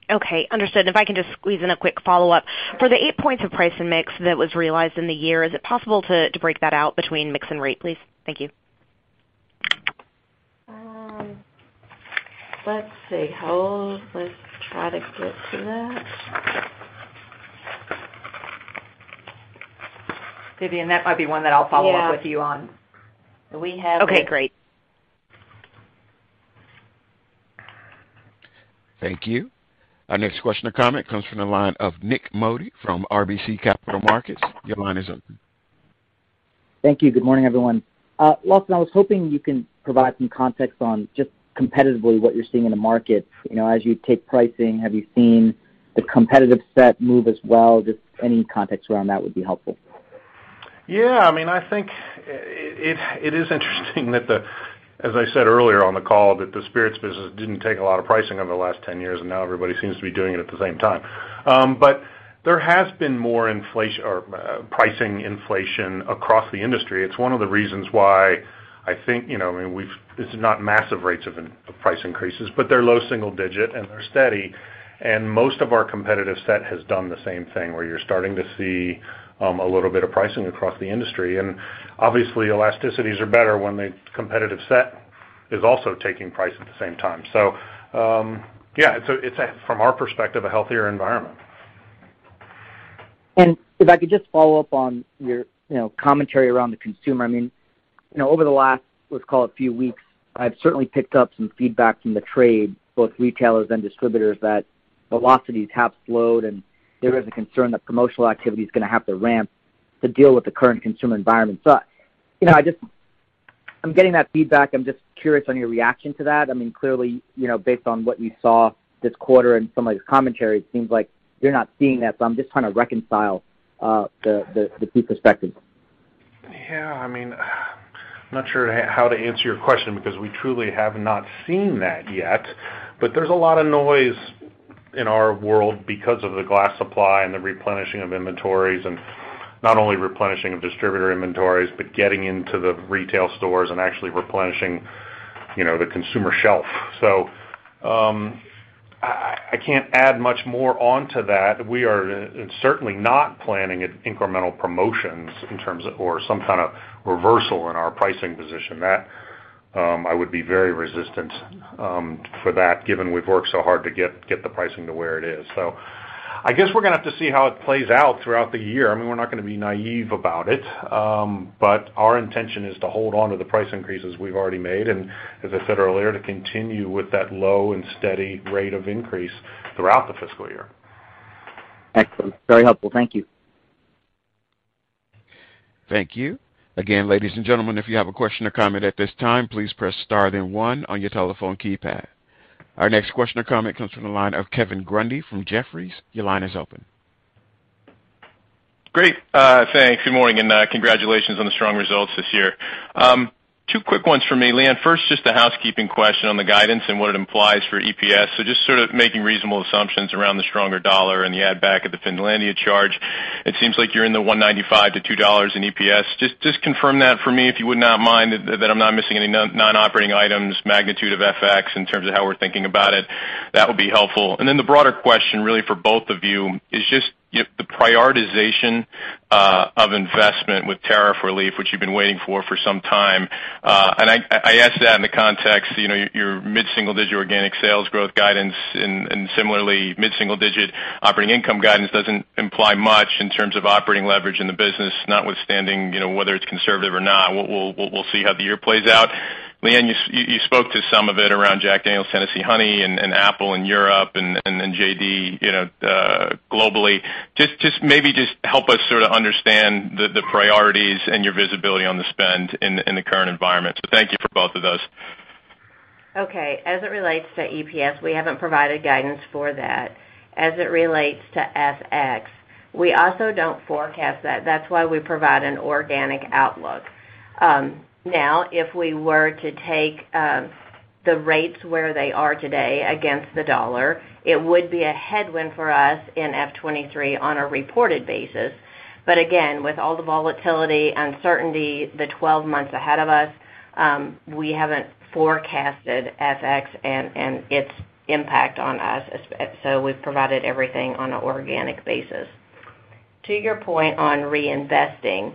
Okay, understood. If I can just squeeze in a quick follow-up. For the 8 points of price and mix that was realized in the year, is it possible to break that out between mix and rate, please? Thank you. Let's see. Hold. Let's try to get to that. Vivien, that might be one that I'll follow up with you on. Yeah. Okay, great. Thank you. Our next question or comment comes from the line of Nik Modi from RBC Capital Markets. Your line is open. Thank you. Good morning, everyone. Lawson, I was hoping you can provide some context on just competitively what you're seeing in the market. You know, as you take pricing, have you seen the competitive set move as well? Just any context around that would be helpful. Yeah, I mean, I think it is interesting that. As I said earlier on the call, that the spirits business didn't take a lot of pricing over the last 10 years, and now everybody seems to be doing it at the same time. There has been more inflation or, pricing inflation across the industry. It's one of the reasons why I think it's not massive rates of price increases, but they're low single digit and they're steady. Most of our competitive set has done the same thing, where you're starting to see a little bit of pricing across the industry. Obviously, elasticities are better when the competitive set is also taking price at the same time. Yeah, it's a from our perspective, a healthier environment. If I could just follow up on your, you know, commentary around the consumer. I mean, you know, over the last, let's call it few weeks, I've certainly picked up some feedback from the trade, both retailers and distributors, that velocities have slowed, and there is a concern that promotional activity is gonna have to ramp to deal with the current consumer environment. You know, I just, I'm getting that feedback. I'm just curious on your reaction to that. I mean, clearly, you know, based on what you saw this quarter and some of the commentary, it seems like you're not seeing that. I'm just trying to reconcile the two perspectives. Yeah, I mean, I'm not sure how to answer your question because we truly have not seen that yet. There's a lot of noise in our world because of the glass supply and the replenishing of inventories and not only replenishing of distributor inventories, but getting into the retail stores and actually replenishing, you know, the consumer shelf. I can't add much more on to that. We are certainly not planning incremental promotions or some kind of reversal in our pricing position. That, I would be very resistant, for that, given we've worked so hard to get the pricing to where it is. I guess we're gonna have to see how it plays out throughout the year. I mean, we're not gonna be naive about it, but our intention is to hold on to the price increases we've already made, and as I said earlier, to continue with that low and steady rate of increase throughout the fiscal year. Excellent. Very helpful. Thank you. Thank you. Again, ladies and gentlemen, if you have a question or comment at this time, please press star then one on your telephone keypad. Our next question or comment comes from the line of Kevin Grundy from Jefferies. Your line is open. Great. Thanks. Good morning, and congratulations on the strong results this year. Two quick ones for me. Leanne, first, just a housekeeping question on the guidance and what it implies for EPS. So just sort of making reasonable assumptions around the stronger dollar and the add back of the Finlandia charge. It seems like you're in the $1.95-$2 in EPS. Just confirm that for me, if you would not mind, that I'm not missing any non-operating items, magnitude of FX in terms of how we're thinking about it. That would be helpful. The broader question really for both of you is just the prioritization of investment with tariff relief, which you've been waiting for some time. I ask that in the context, you know, your mid-single digit organic sales growth guidance and similarly mid-single digit operating income guidance doesn't imply much in terms of operating leverage in the business, notwithstanding, you know, whether it's conservative or not. We'll see how the year plays out. Leanne, you spoke to some of it around Jack Daniel's Tennessee Honey and Apple in Europe and then JD, you know, globally. Just maybe help us sort of understand the priorities and your visibility on the spend in the current environment. Thank you for both of those. Okay. As it relates to EPS, we haven't provided guidance for that. As it relates to FX, we also don't forecast that. That's why we provide an organic outlook. Now, if we were to take the rates where they are today against the U.S. dollar, it would be a headwind for us in FY 2023 on a reported basis. Again, with all the volatility, uncertainty, the 12 months ahead of us, we haven't forecasted FX and its impact on us, so we've provided everything on an organic basis. To your point on reinvesting,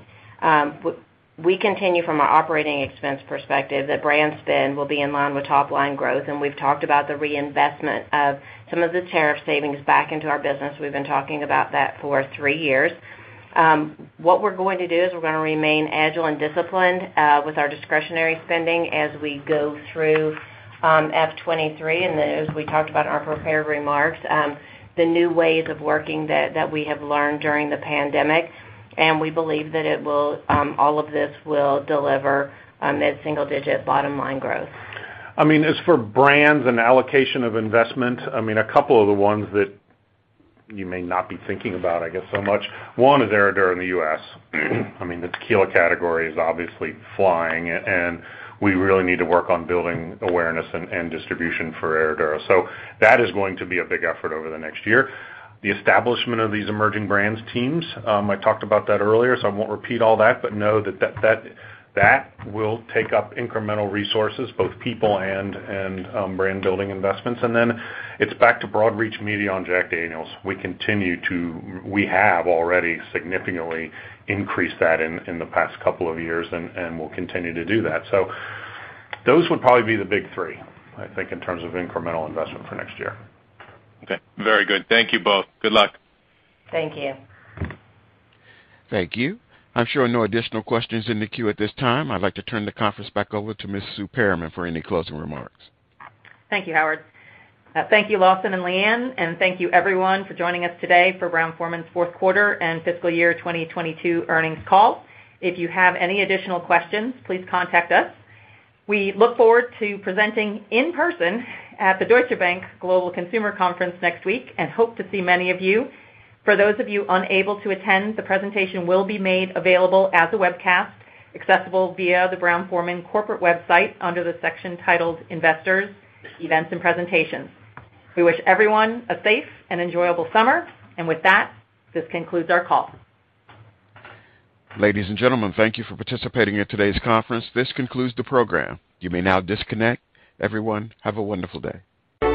we continue from an operating expense perspective that brand spend will be in line with top line growth, and we've talked about the reinvestment of some of the tariff savings back into our business. We've been talking about that for three years. What we're going to do is we're gonna remain agile and disciplined with our discretionary spending as we go through FY 2023. As we talked about in our prepared remarks, the new ways of working that we have learned during the pandemic, and we believe that all of this will deliver mid-single-digit bottom line growth. I mean, as for brands and allocation of investment, I mean, a couple of the ones that you may not be thinking about, I guess, so much. One is Herradura in the U.S. I mean, the tequila category is obviously flying and we really need to work on building awareness and distribution for Herradura. That is going to be a big effort over the next year. The establishment of these emerging brands teams, I talked about that earlier, so I won't repeat all that, but know that that will take up incremental resources, both people and brand building investments. It's back to broad reach media on Jack Daniel's. We continue to. We have already significantly increased that in the past couple of years and we'll continue to do that. Those would probably be the big three, I think, in terms of incremental investment for next year. Okay. Very good. Thank you both. Good luck. Thank you. Thank you. I'm showing no additional questions in the queue at this time. I'd like to turn the conference back over to Ms. Sue Perram for any closing remarks. Thank you, Howard. Thank you, Lawson and Leanne, and thank you everyone for joining us today for Brown-Forman's fourth quarter and fiscal year 2022 earnings call. If you have any additional questions, please contact us. We look forward to presenting in person at the dbAccess Global Consumer Conference next week and hope to see many of you. For those of you unable to attend, the presentation will be made available as a webcast, accessible via the Brown-Forman corporate website under the section titled Investors, Events, and Presentations. We wish everyone a safe and enjoyable summer. With that, this concludes our call. Ladies and gentlemen, thank you for participating in today's conference. This concludes the program. You may now disconnect. Everyone, have a wonderful day.